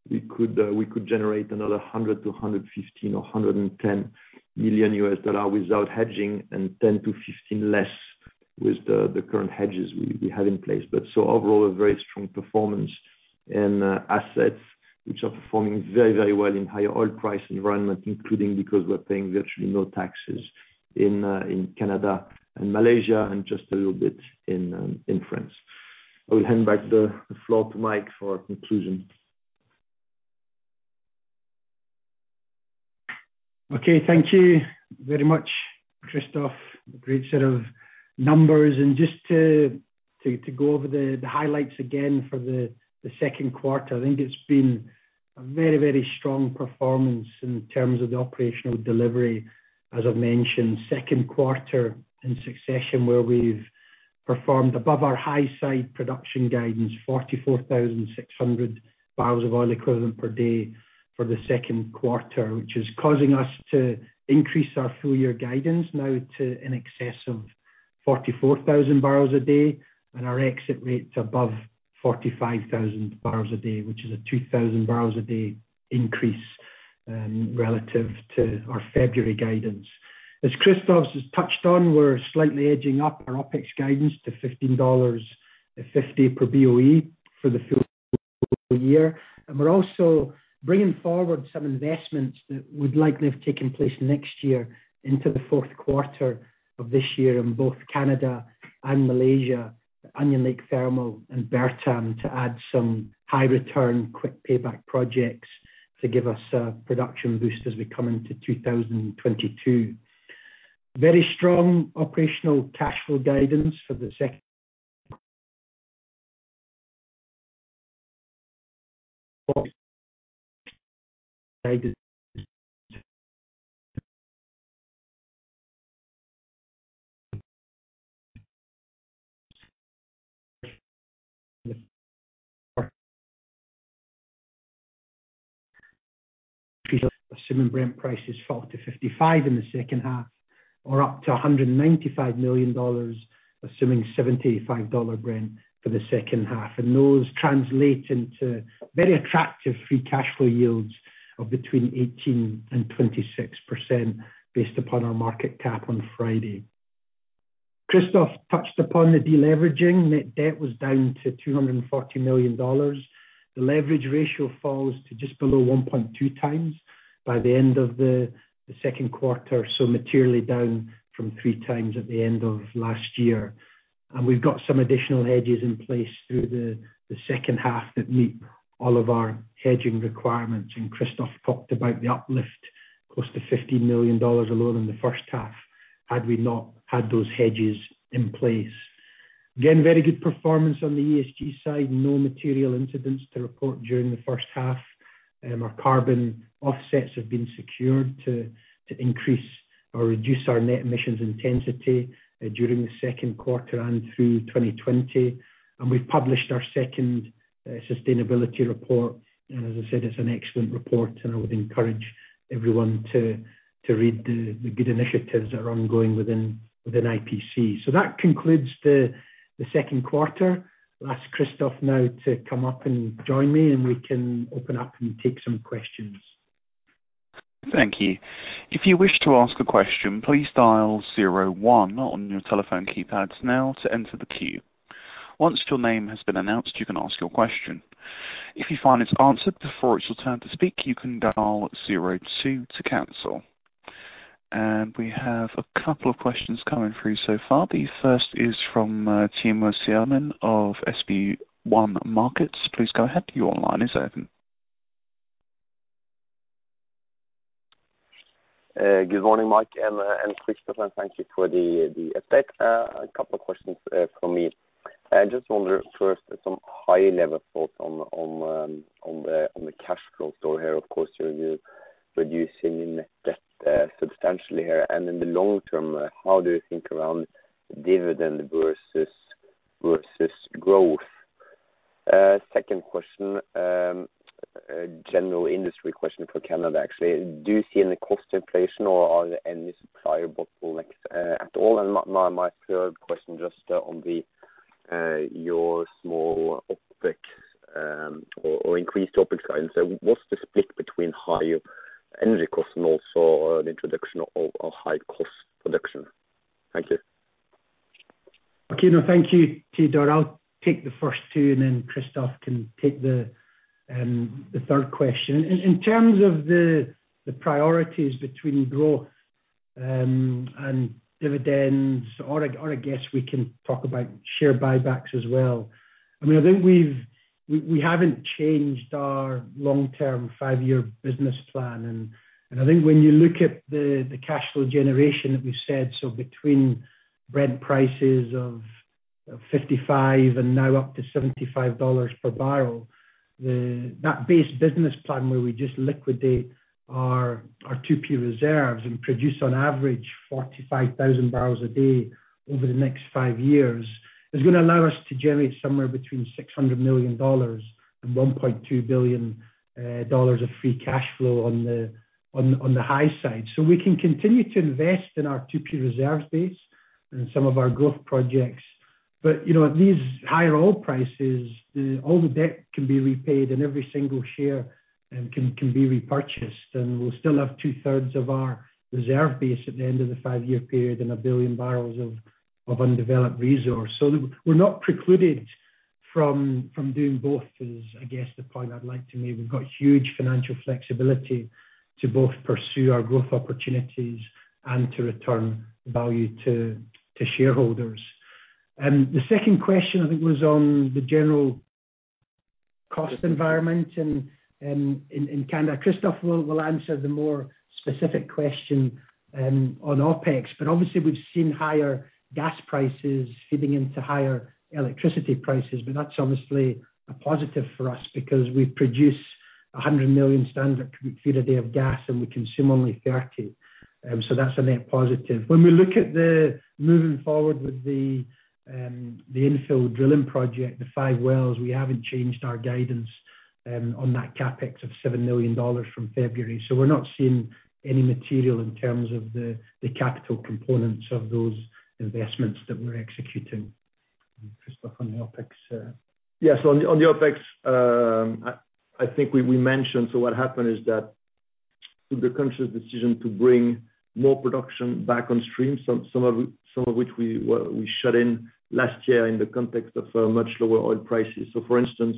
S2: we could generate another $100 milliion-$115 million or $110 million without hedging and $10 million-$15 million less with the current hedges we have in place. Overall, a very strong performance in assets which are performing very well in higher oil price environment, including because we're paying virtually no taxes in Canada and Malaysia and just a little bit in France. I will hand back the floor to Mike for conclusion.
S1: Okay, thank you very much, Christophe. Great set of numbers. Just to go over the highlights again for the second quarter, I think it's been a very strong performance in terms of the operational delivery. As I've mentioned, second quarter in succession where we've performed above our high side production guidance, 44,600 bbl of oil equivalent per day for the second quarter. Which is causing us to increase our full year guidance now to in excess of 44,000 bbl a day. Our exit rate's above 45,000 bbl a day, which is a 2,000 bbl a day increase relative to our February guidance. As Christophe has touched on, we're slightly edging up our OpEx guidance to $15.50 per BOE for the full year. We're also bringing forward some investments that would likely have taken place next year into the fourth quarter of this year in both Canada and Malaysia, Onion Lake Thermal and Bertam, to add some high return, quick payback projects to give us a production boost as we come into 2022. Very strong operational cash flow guidance for the second assuming Brent prices fall to $55 in the second half or up to $195 million, assuming $75 Brent for the second half. Those translate into very attractive free cash flow yields of between 18% and 26% based upon our market cap on Friday. Christophe touched upon the deleveraging. Net debt was down to $240 million. The leverage ratio falls to just below 1.2 times by the end of the second quarter, so materially down from three times at the end of last year. We've got some additional hedges in place through the second half that meet all of our hedging requirements. Christophe talked about the uplift, close to $15 million lower than the first half had we not had those hedges in place. Again, very good performance on the ESG side. No material incidents to report during the first half. Our carbon offsets have been secured to increase or reduce our net emissions intensity during the second quarter and through 2020. We've published our second sustainability report. As I said, it's an excellent report, and I would encourage everyone to read the good initiatives that are ongoing within IPC. That concludes the second quarter. I'll ask Christophe now to come up and join me, and we can open up and take some questions.
S3: Thank you. If you wish to ask a question, please dial zero-one on your telephone keypads now to enter the queue. Once your name has been announced, you can ask your question. If you find it's answered before it's your turn to speak, you can dial zero-two to cancel. We have a couple of questions coming through so far. The first is from Teodor Sveen-Nilsen of SB1 Markets. Please go ahead. Your line is open.
S4: Good morning, Mike and Christophe, thank you for the update. A couple of questions from me. I just wonder first some high-level thoughts on the cash flow story here. Of course, you're reducing in net debt substantially here. In the long term, how do you think around dividend versus growth? Second question, general industry question for Canada, actually. Do you see any cost inflation or are there any supplier bottlenecks at all? My third question, just on your small OpEx, or increased OpEx guidance there, what's the split between higher energy cost models or an introduction of high-cost production? Thank you.
S1: Okay. No, thank you, Teodor. I'll take the first two, and then Christophe can take the third question. In terms of the priorities between growth and dividends, or I guess we can talk about share buybacks as well. I think we haven't changed our long-term five-year business plan. I think when you look at the cash flow generation that we've said, so between Brent prices of $55 and now up to $75 per bbl. That base business plan where we just liquidate our 2P reserves and produce on average 45,000 bbl a day over the next five years, is going to allow us to generate somewhere between $600 million and $1.2 billion of free cash flow on the high side. We can continue to invest in our 2P reserve base and some of our growth projects. At these higher oil prices, all the debt can be repaid and every single share can be repurchased. We'll still have 2/3 of our reserve base at the end of the five-year period and 1 billion bbl of undeveloped resource. We're not precluded from doing both, is I guess the point I'd like to make. We've got huge financial flexibility to both pursue our growth opportunities and to return value to shareholders. The second question, I think, was on the general cost environment in Canada. Christophe will answer the more specific question on OpEx. Obviously we've seen higher gas prices feeding into higher electricity prices. That's obviously a positive for us because we produce 100 million standard cu ft a day of gas and we consume only 30. That's a net positive. When we look at moving forward with the infill drilling project, the five wells, we haven't changed our guidance on that CapEx of $7 million from February. We're not seeing any material in terms of the capital components of those investments that we're executing. Christophe, on the OpEx.
S2: Yes. On the OpEx, I think we mentioned, what happened is that through the conscious decision to bring more production back on stream, some of which we shut in last year in the context of much lower oil prices. For instance,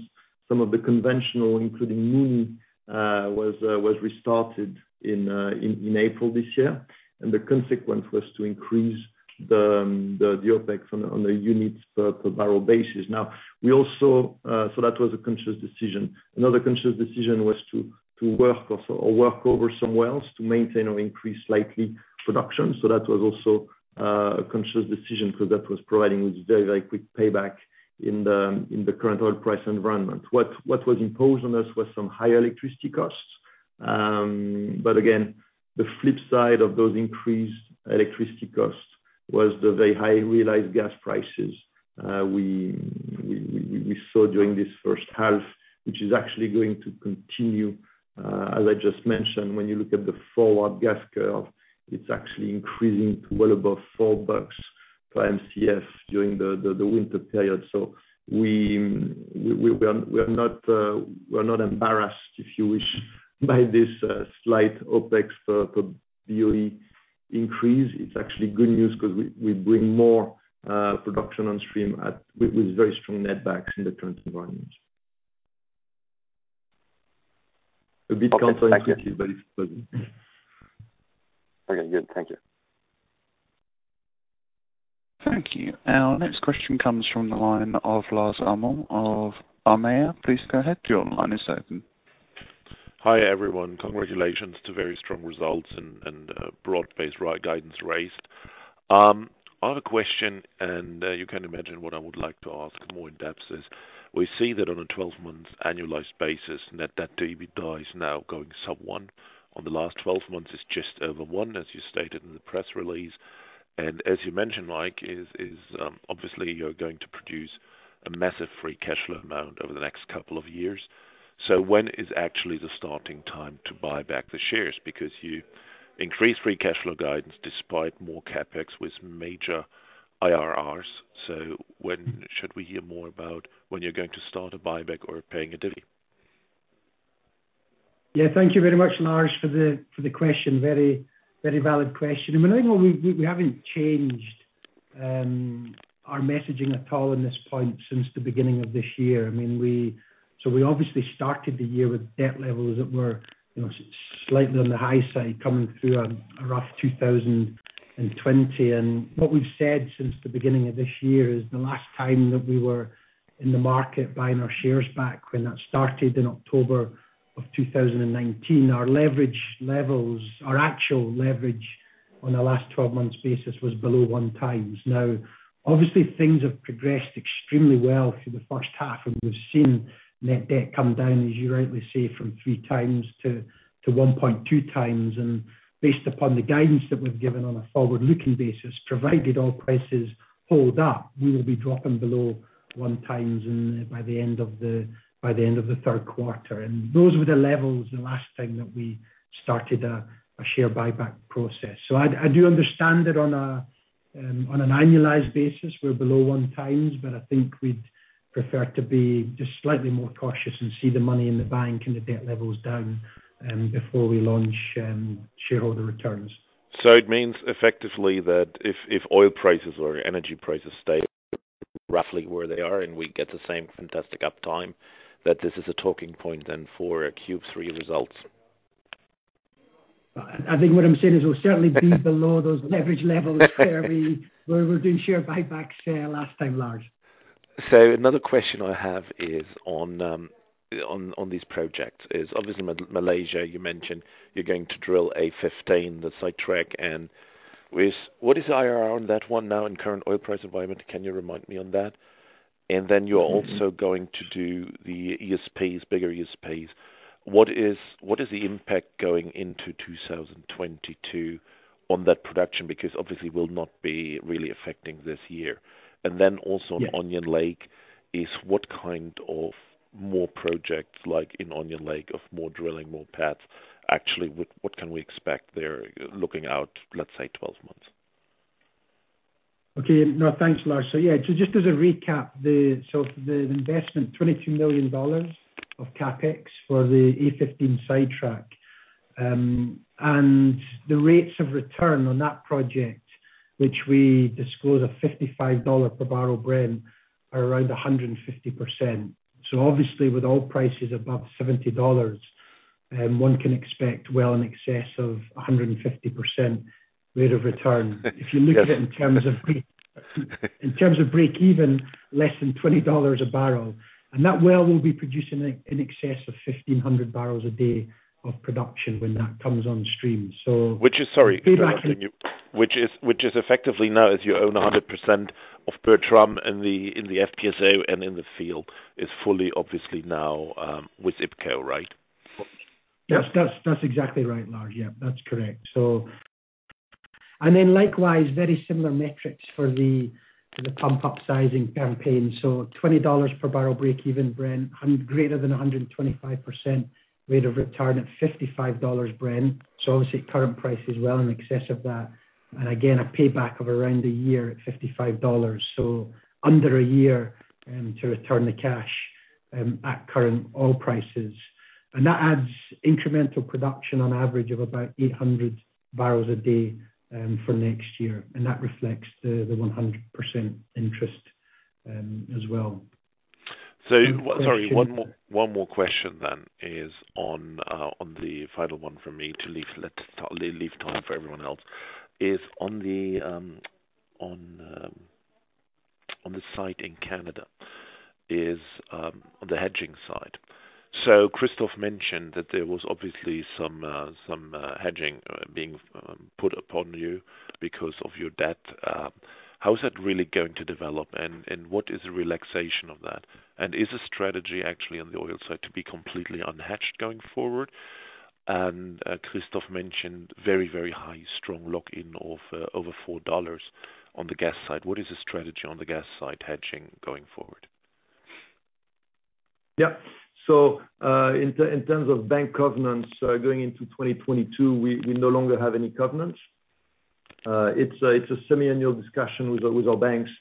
S2: some of the conventional, including Mooney, was restarted in April this year. The consequence was to increase the OpEx on a unit per barrel basis. That was a conscious decision. Another conscious decision was to work over some wells to maintain or increase slightly production. That was also a conscious decision because that was providing a very quick payback in the current oil price environment. What was imposed on us was some higher electricity costs. But again, the flip side of those increased electricity costs was the very high realized gas prices we saw during this first half, which is actually going to continue, as I just mentioned. When you look at the forward gas curve, it's actually increasing to well above $4 per Mcf during the winter period. We are not embarrassed, if you wish, by this slight OpEx per BOE increase. It's actually good news because we bring more production on stream with very strong net backs in the current environment. A bit counterintuitive, but it's positive.
S4: Okay, good. Thank you.
S3: Thank you. Our next question comes from the line of Lars Dollmann of Aramea. Please go ahead. Your line is open.
S5: Hi, everyone. Congratulations to very strong results and broad-based right guidance raised. I have a question. You can imagine what I would like to ask more in depth is, we see that on a 12-month annualized basis, net debt to EBITDA is now going sub one. On the last 12 months, it's just over one, as you stated in the press release. As you mentioned, Mike, obviously, you're going to produce a massive free cash flow amount over the next couple of years. When is actually the starting time to buy back the shares? Because you increased free cash flow guidance despite more CapEx with major IRRs. When should we hear more about when you're going to start a buyback or paying a dividend?
S1: Thank you very much, Lars, for the question. Very valid question. We haven't changed our messaging at all on this point since the beginning of this year. We obviously started the year with debt levels that were slightly on the high side, coming through a rough 2020. What we've said since the beginning of this year is the last time that we were in the market buying our shares back, when that started in October of 2019, our leverage levels, our actual leverage on a last 12 months basis was below 1x. Obviously, things have progressed extremely well through the first half, and we've seen net debt come down, as you rightly say, from 3x to 1.2x. Based upon the guidance that we've given on a forward-looking basis, provided oil prices hold up, we will be dropping below 1x by the end of the third quarter. Those were the levels the last time that we started a share buyback process. I do understand that on an annualized basis, we're below 1x, but I think we'd prefer to be just slightly more cautious and see the money in the bank and the debt levels down before we launch shareholder returns.
S5: It means effectively that if oil prices or energy prices stay roughly where they are and we get the same fantastic uptime, that this is a talking point then for Q3 results?
S1: I think what I'm saying is we'll certainly be below those leverage levels where we were doing share buybacks last time, Lars.
S5: Another question I have is on these projects, obviously Malaysia, you mentioned you're going to drill A15, the sidetrack, and what is the IRR on that one now in current oil price environment? Can you remind me on that? You're also going to do the ESPs, bigger ESPs. What is the impact going into 2022 on that production? Because obviously will not be really affecting this year.
S1: Yeah
S5: Then also, on Onion Lake, is what kind of more projects like in Onion Lake of more drilling, more pads? Actually, what can we expect there looking out, let's say 12 months?
S1: Okay. No, thanks, Lars. Yeah, just as a recap, the investment, $22 million of CapEx for the A15 sidetrack. The rates of return on that project, which we disclose a $55 per bbl Brent, are around 150%. Obviously with oil prices above $70, one can expect well in excess of 150% rate of return.
S5: Yes.
S1: If you look at it in terms of break-even, less than $20 a bbl. That well will be producing in excess of 1,500 bbl a day of production when that comes on stream.
S5: Which is, sorry, interrupting you, which is effectively now as you own 100% of Bertam in the FPSO and in the field, is fully obviously now with IPC, right?
S1: That's exactly right, Lars. Yeah, that's correct. Likewise, very similar metrics for the pump upsizing campaign. $20 per bbl breakeven Brent, greater than 125% rate of return at $55 Brent. Obviously current price is well in excess of that. Again, a payback of around one year at $55, so under one year, to return the cash, at current oil prices. That adds incremental production on average of about 800 bbl a day, for next year. That reflects the 100% interest as well.
S5: Sorry, one more question then is on the final one from me to leave time for everyone else, is on the site in Canada, is on the hedging side. Christophe mentioned that there was obviously some hedging being put upon you because of your debt. How is that really going to develop and what is the relaxation of that? Is the strategy actually on the oil side to be completely unhedged going forward? Christophe mentioned very, very high, strong lock-in of over $4 on the gas side. What is the strategy on the gas side hedging going forward?
S2: Yeah. So, in terms of bank covenants, so going into 2022, we no longer have any covenants. It's a semi-annual discussion with our banks.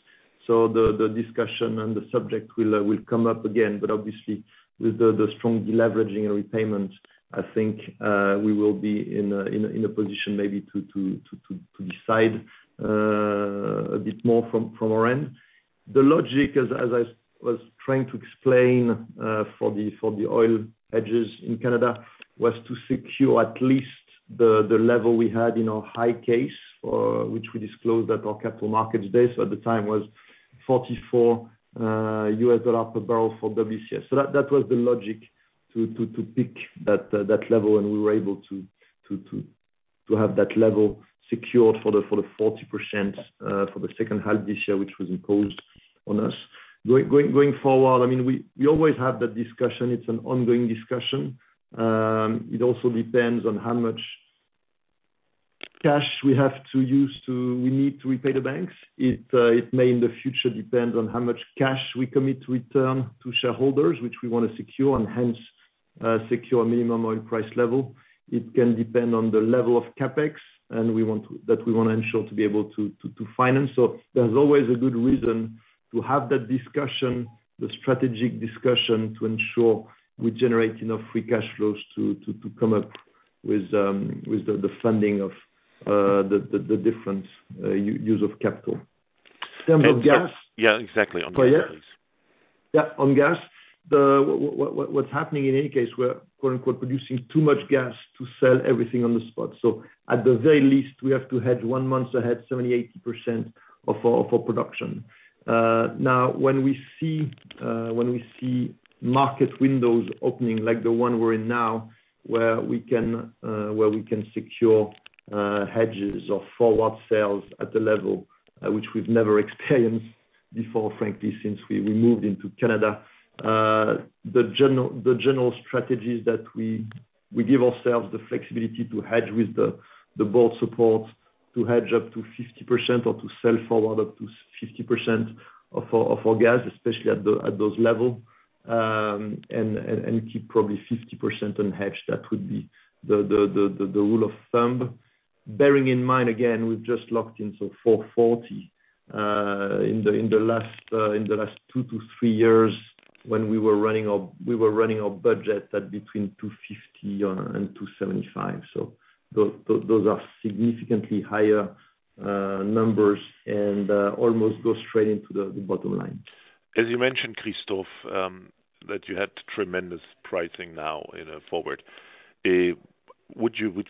S2: The discussion and the subject will come up again, but obviously with the strong deleveraging and repayment, I think, we will be in a position maybe to decide a bit more from our end. The logic, as I was trying to explain, for the oil hedges in Canada, was to secure at least the level we had in our high case, for which we disclosed at our Capital Markets Day. At the time was $44 per bbl for WCS. That was the logic to pick that level and we were able to have that level secured for the 40%, for the second half this year, which was imposed on us. Going forward, we always have that discussion. It's an ongoing discussion. It also depends on how much cash we have to use to repay the banks. It may in the future depend on how much cash we commit to return to shareholders, which we want to secure and hence, secure a minimum oil price level. It can depend on the level of CapEx, that we want to ensure to be able to finance. There's always a good reason to have that discussion, the strategic discussion, to ensure we generate enough free cash flows to come up with the funding of the different use of capital. In terms of gas.
S5: Yeah, exactly. On gas.
S2: Yeah. On gas, what's happening in any case, we're, quote-unquote, "producing too much gas to sell everything on the spot." At the very least, we have to hedge one month ahead, 70%-80% of our production. Now when we see market windows opening like the one we're in now, where we can secure hedges or forward sales at a level which we've never experienced before, frankly, since we moved into Canada. The general strategies that we give ourselves the flexibility to hedge with the board support, to hedge up to 50% or to sell forward up to 50% of our gas, especially at those level. Keep probably 50% unhedged. That would be the rule of thumb. Bearing in mind, again, we've just locked in C$4.40, in the last two years to three years when we were running our budget at between C$2.50 and C$2.75. Those are significantly higher numbers and almost go straight into the bottom line.
S5: As you mentioned, Christophe, that you had tremendous pricing now in a forward. Would you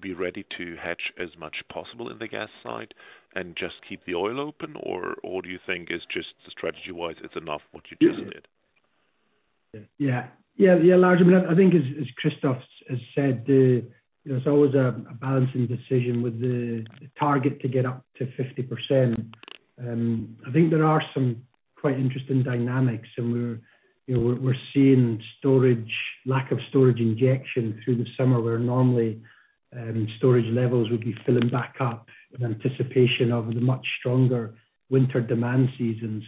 S5: be ready to hedge as much possible in the gas side and just keep the oil open? Or do you think just strategy-wise, it's enough what you do in it?
S1: Yeah. Lars, I think as Christophe has said, there's always a balancing decision with the target to get up to 50%. I think there are some quite interesting dynamics, we're seeing lack of storage injection through the summer where normally storage levels would be filling back up in anticipation of the much stronger winter demand season.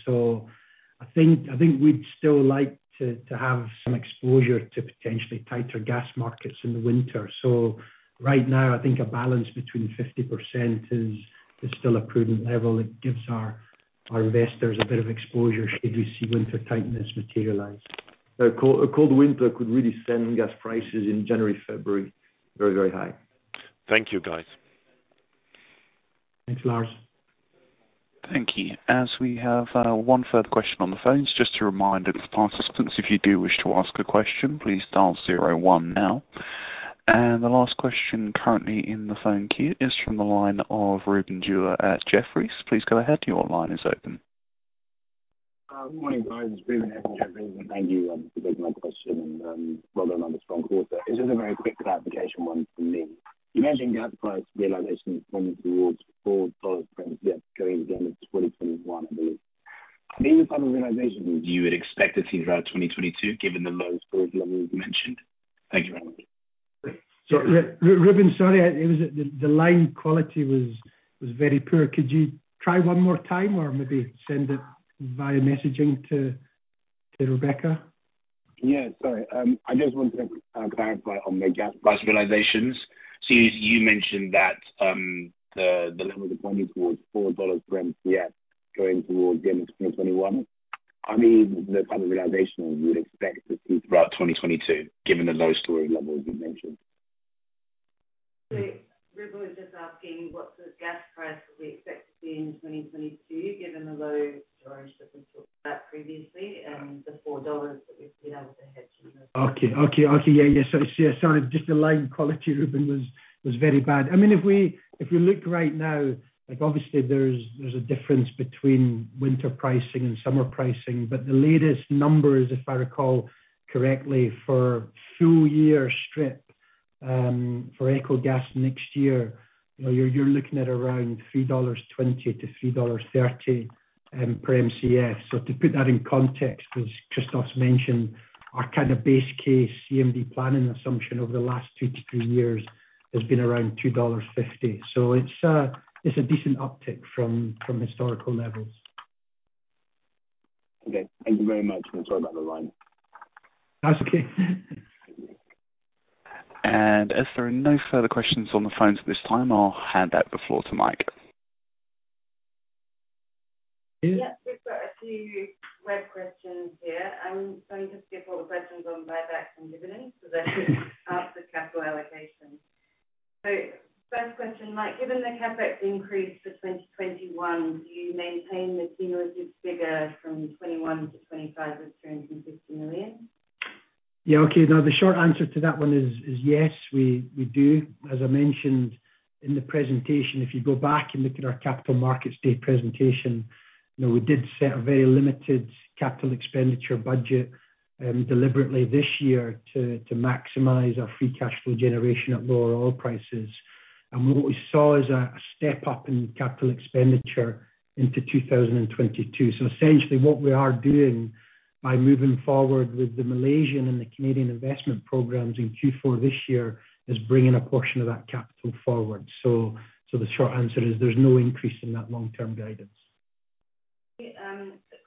S1: I think we'd still like to have some exposure to potentially tighter gas markets in the winter. Right now, I think a balance between 50% is still a prudent level. It gives our investors a bit of exposure should we see winter tightness materialize.
S2: A cold winter could really send gas prices in January, February, very, very high.
S5: Thank you, guys.
S1: Thanks, Lars.
S3: Thank you. As we have one third question on the phone, just to remind participants, if you do wish to ask a question, please dial zero-one now. The last question currently in the phone queue is from the line of Ruben Dewa at Jefferies. Please go ahead. Your line is open.
S6: Good morning, guys. Ruben here from Jefferies. Thank you for taking my question and well done on the strong quarter. It is just a very quick clarification one from me. You mentioned gas price realization is pointing towards $4 per Mcf going at the end of 2021, I believe. Are these the kind of realizations you would expect to see throughout 2022, given the low storage levels you mentioned? Thank you very much.
S1: Ruben, sorry, the line quality was very poor. Could you try one more time or maybe send it via messaging to Rebecca?
S6: Yeah. Sorry. I just wanted to clarify on the gas price realizations. You mentioned that the level you're pointing towards $4 per Mcf going towards the end of 2021. I mean, the type of realization you would expect to see throughout 2022, given the low storage levels you mentioned.
S7: Ruben was just asking, what's the gas price we expect to see in 2022, given the low storage that we talked about previously, and the $4 that we've been able to hedge?
S1: Okay. Yeah. Sorry, just the line quality, Ruben, was very bad. If we look right now, obviously there's a difference between winter pricing and summer pricing. The latest numbers, if I recall correctly, for full year strip for AECO gas next year, you're looking at around $3.20-$3.30 per Mcf. To put that in context, as Christophe mentioned, our kind of base case CMD planning assumption over the last two years to three years has been around $2.50. It's a decent uptick from historical levels.
S6: Okay. Thank you very much, and sorry about the line.
S1: That's okay.
S3: As there are no further questions on the phones at this time, I'll hand back the floor to Mike.
S1: Yeah.
S7: Yeah. We've got a few web questions here. I'm going to skip all the questions on buyback from dividends that we can ask the capital allocation. First question, Mike, given the CapEx increase for 2021, do you maintain the cumulative figure from 2021 to 2025 is $250 million?
S1: Yeah. Okay. No, the short answer to that one is yes, we do. As I mentioned in the presentation, if you go back and look at our Capital Markets Day presentation, we did set a very limited capital expenditure budget deliberately this year to maximize our free cash flow generation at lower oil prices. What we saw is a step-up in capital expenditure into 2022. Essentially what we are doing by moving forward with the Malaysian and the Canadian investment programs in Q4 this year is bringing a portion of that capital forward. The short answer is there's no increase in that long-term guidance.
S7: Okay.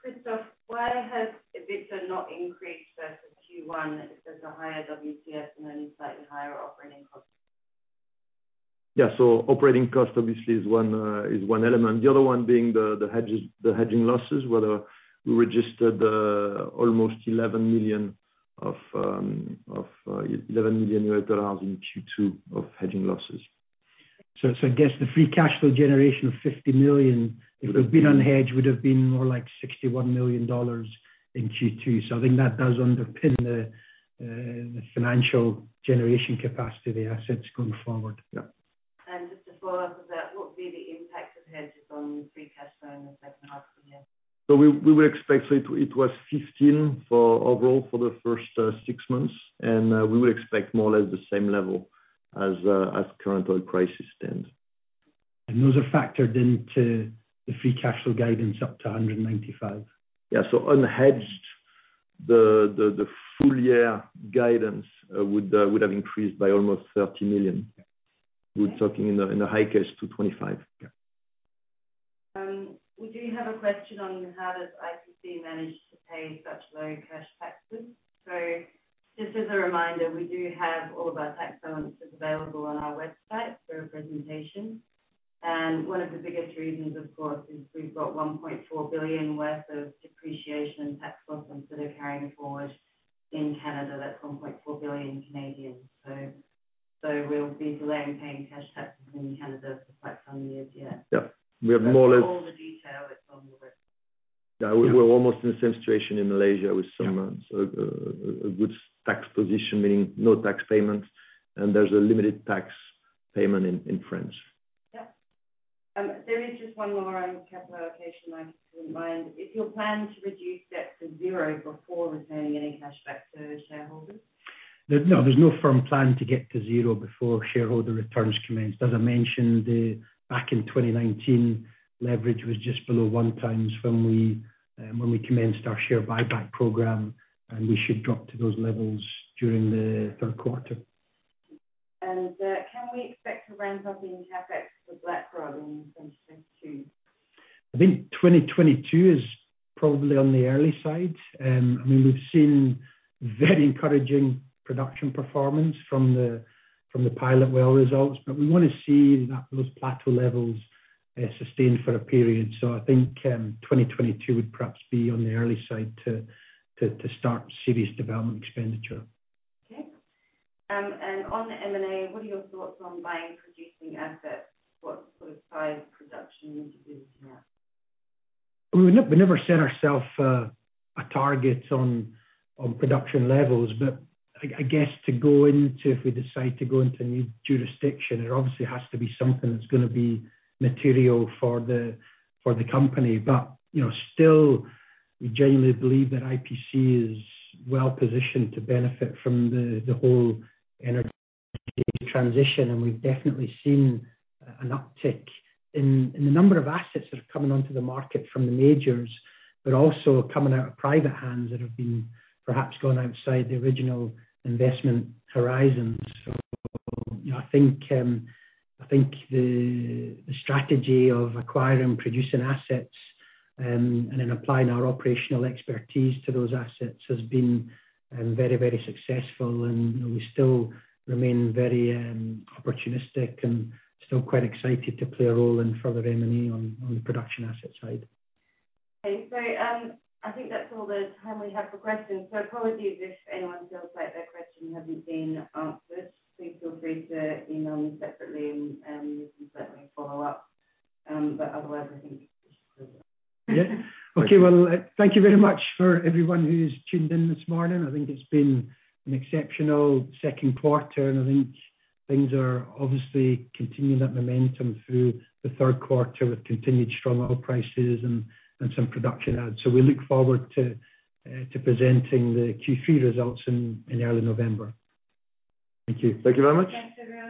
S7: Christophe, why has EBITDA not increased versus Q1 if there's a higher WCS and only slightly higher operating costs?
S2: Yeah. Operating cost obviously is one element. The other one being the hedging losses, where we registered almost $11 million in Q2 of hedging losses.
S1: I guess the free cash flow generation of $50 million, if it had been unhedged, would've been more like $61 million in Q2. I think that does underpin the financial generation capacity of the assets going forward.
S2: Yeah.
S7: Just to follow up with that, what would be the impact of hedges on free cash flow in the second half of the year?
S2: We would expect, so it was $15 overall for the first six months, and we would expect more or less the same level as current oil price extends.
S1: Those are factored into the free cash flow guidance up to $195.
S2: Yeah. Unhedged, the full year guidance would have increased by almost $30 million. We're talking in the high case, $225 million. Yeah.
S7: We do have a question on how does IPC manage to pay such low cash taxes? Just as a reminder, we do have all of our tax balances available on our website for representation. One of the biggest reasons, of course, is we've got $1.4 billion worth of depreciation and tax losses that are carrying forward in Canada. That's 1.4 billion. We'll be delaying paying cash taxes in Canada for quite some years yet.
S2: Yeah.
S7: All the details.
S2: Yeah. We're almost in the same situation in Malaysia with some good tax position, meaning no tax payments, and there's a limited tax payment in France.
S7: There is just one more on capital allocation I keep in mind. Is your plan to reduce debt to zero before returning any cash back to shareholders?
S1: No. There's no firm plan to get to zero before shareholder returns commence. As I mentioned, back in 2019, leverage was just below one times when we commenced our share buyback program, and we should drop to those levels during the third quarter.
S7: Can we expect a ramp up in CapEx for Blackrod in 2022?
S1: I think 2022 is probably on the early side. We've seen very encouraging production performance from the pilot well results. We want to see those plateau levels sustained for a period. So, I think 2022 would perhaps be on the early side to start serious development expenditure.
S7: Okay. On the M&A, what are your thoughts on buying producing assets? What sort of size production are you looking at?
S1: We never set ourselves a target on production levels. I guess if we decide to go into a new jurisdiction, it obviously has to be something that's going to be material for the company. Still, we genuinely believe that IPC is well-positioned to benefit from the whole energy transition, and we've definitely seen an uptick in the number of assets that are coming onto the market from the majors, but also coming out of private hands that have been perhaps gone outside the original investment horizons. I think the strategy of acquiring producing assets and then applying our operational expertise to those assets has been very successful, and we still remain very opportunistic and still quite excited to play a role in further M&A on the production asset side.
S7: Okay. I think that's all the time we have for questions. Apologies if anyone feels like their question hasn't been answered. Please feel free to email me separately, and we can certainly follow up. Otherwise, I think we should close up.
S1: Okay. Thank you very much for everyone who's tuned in this morning. I think it's been an exceptional second quarter, and I think things are obviously continuing that momentum through the third quarter with continued strong oil prices and some production adds. We look forward to presenting the Q3 results in early November. Thank you.
S2: Thank you very much.
S7: Thanks, everyone.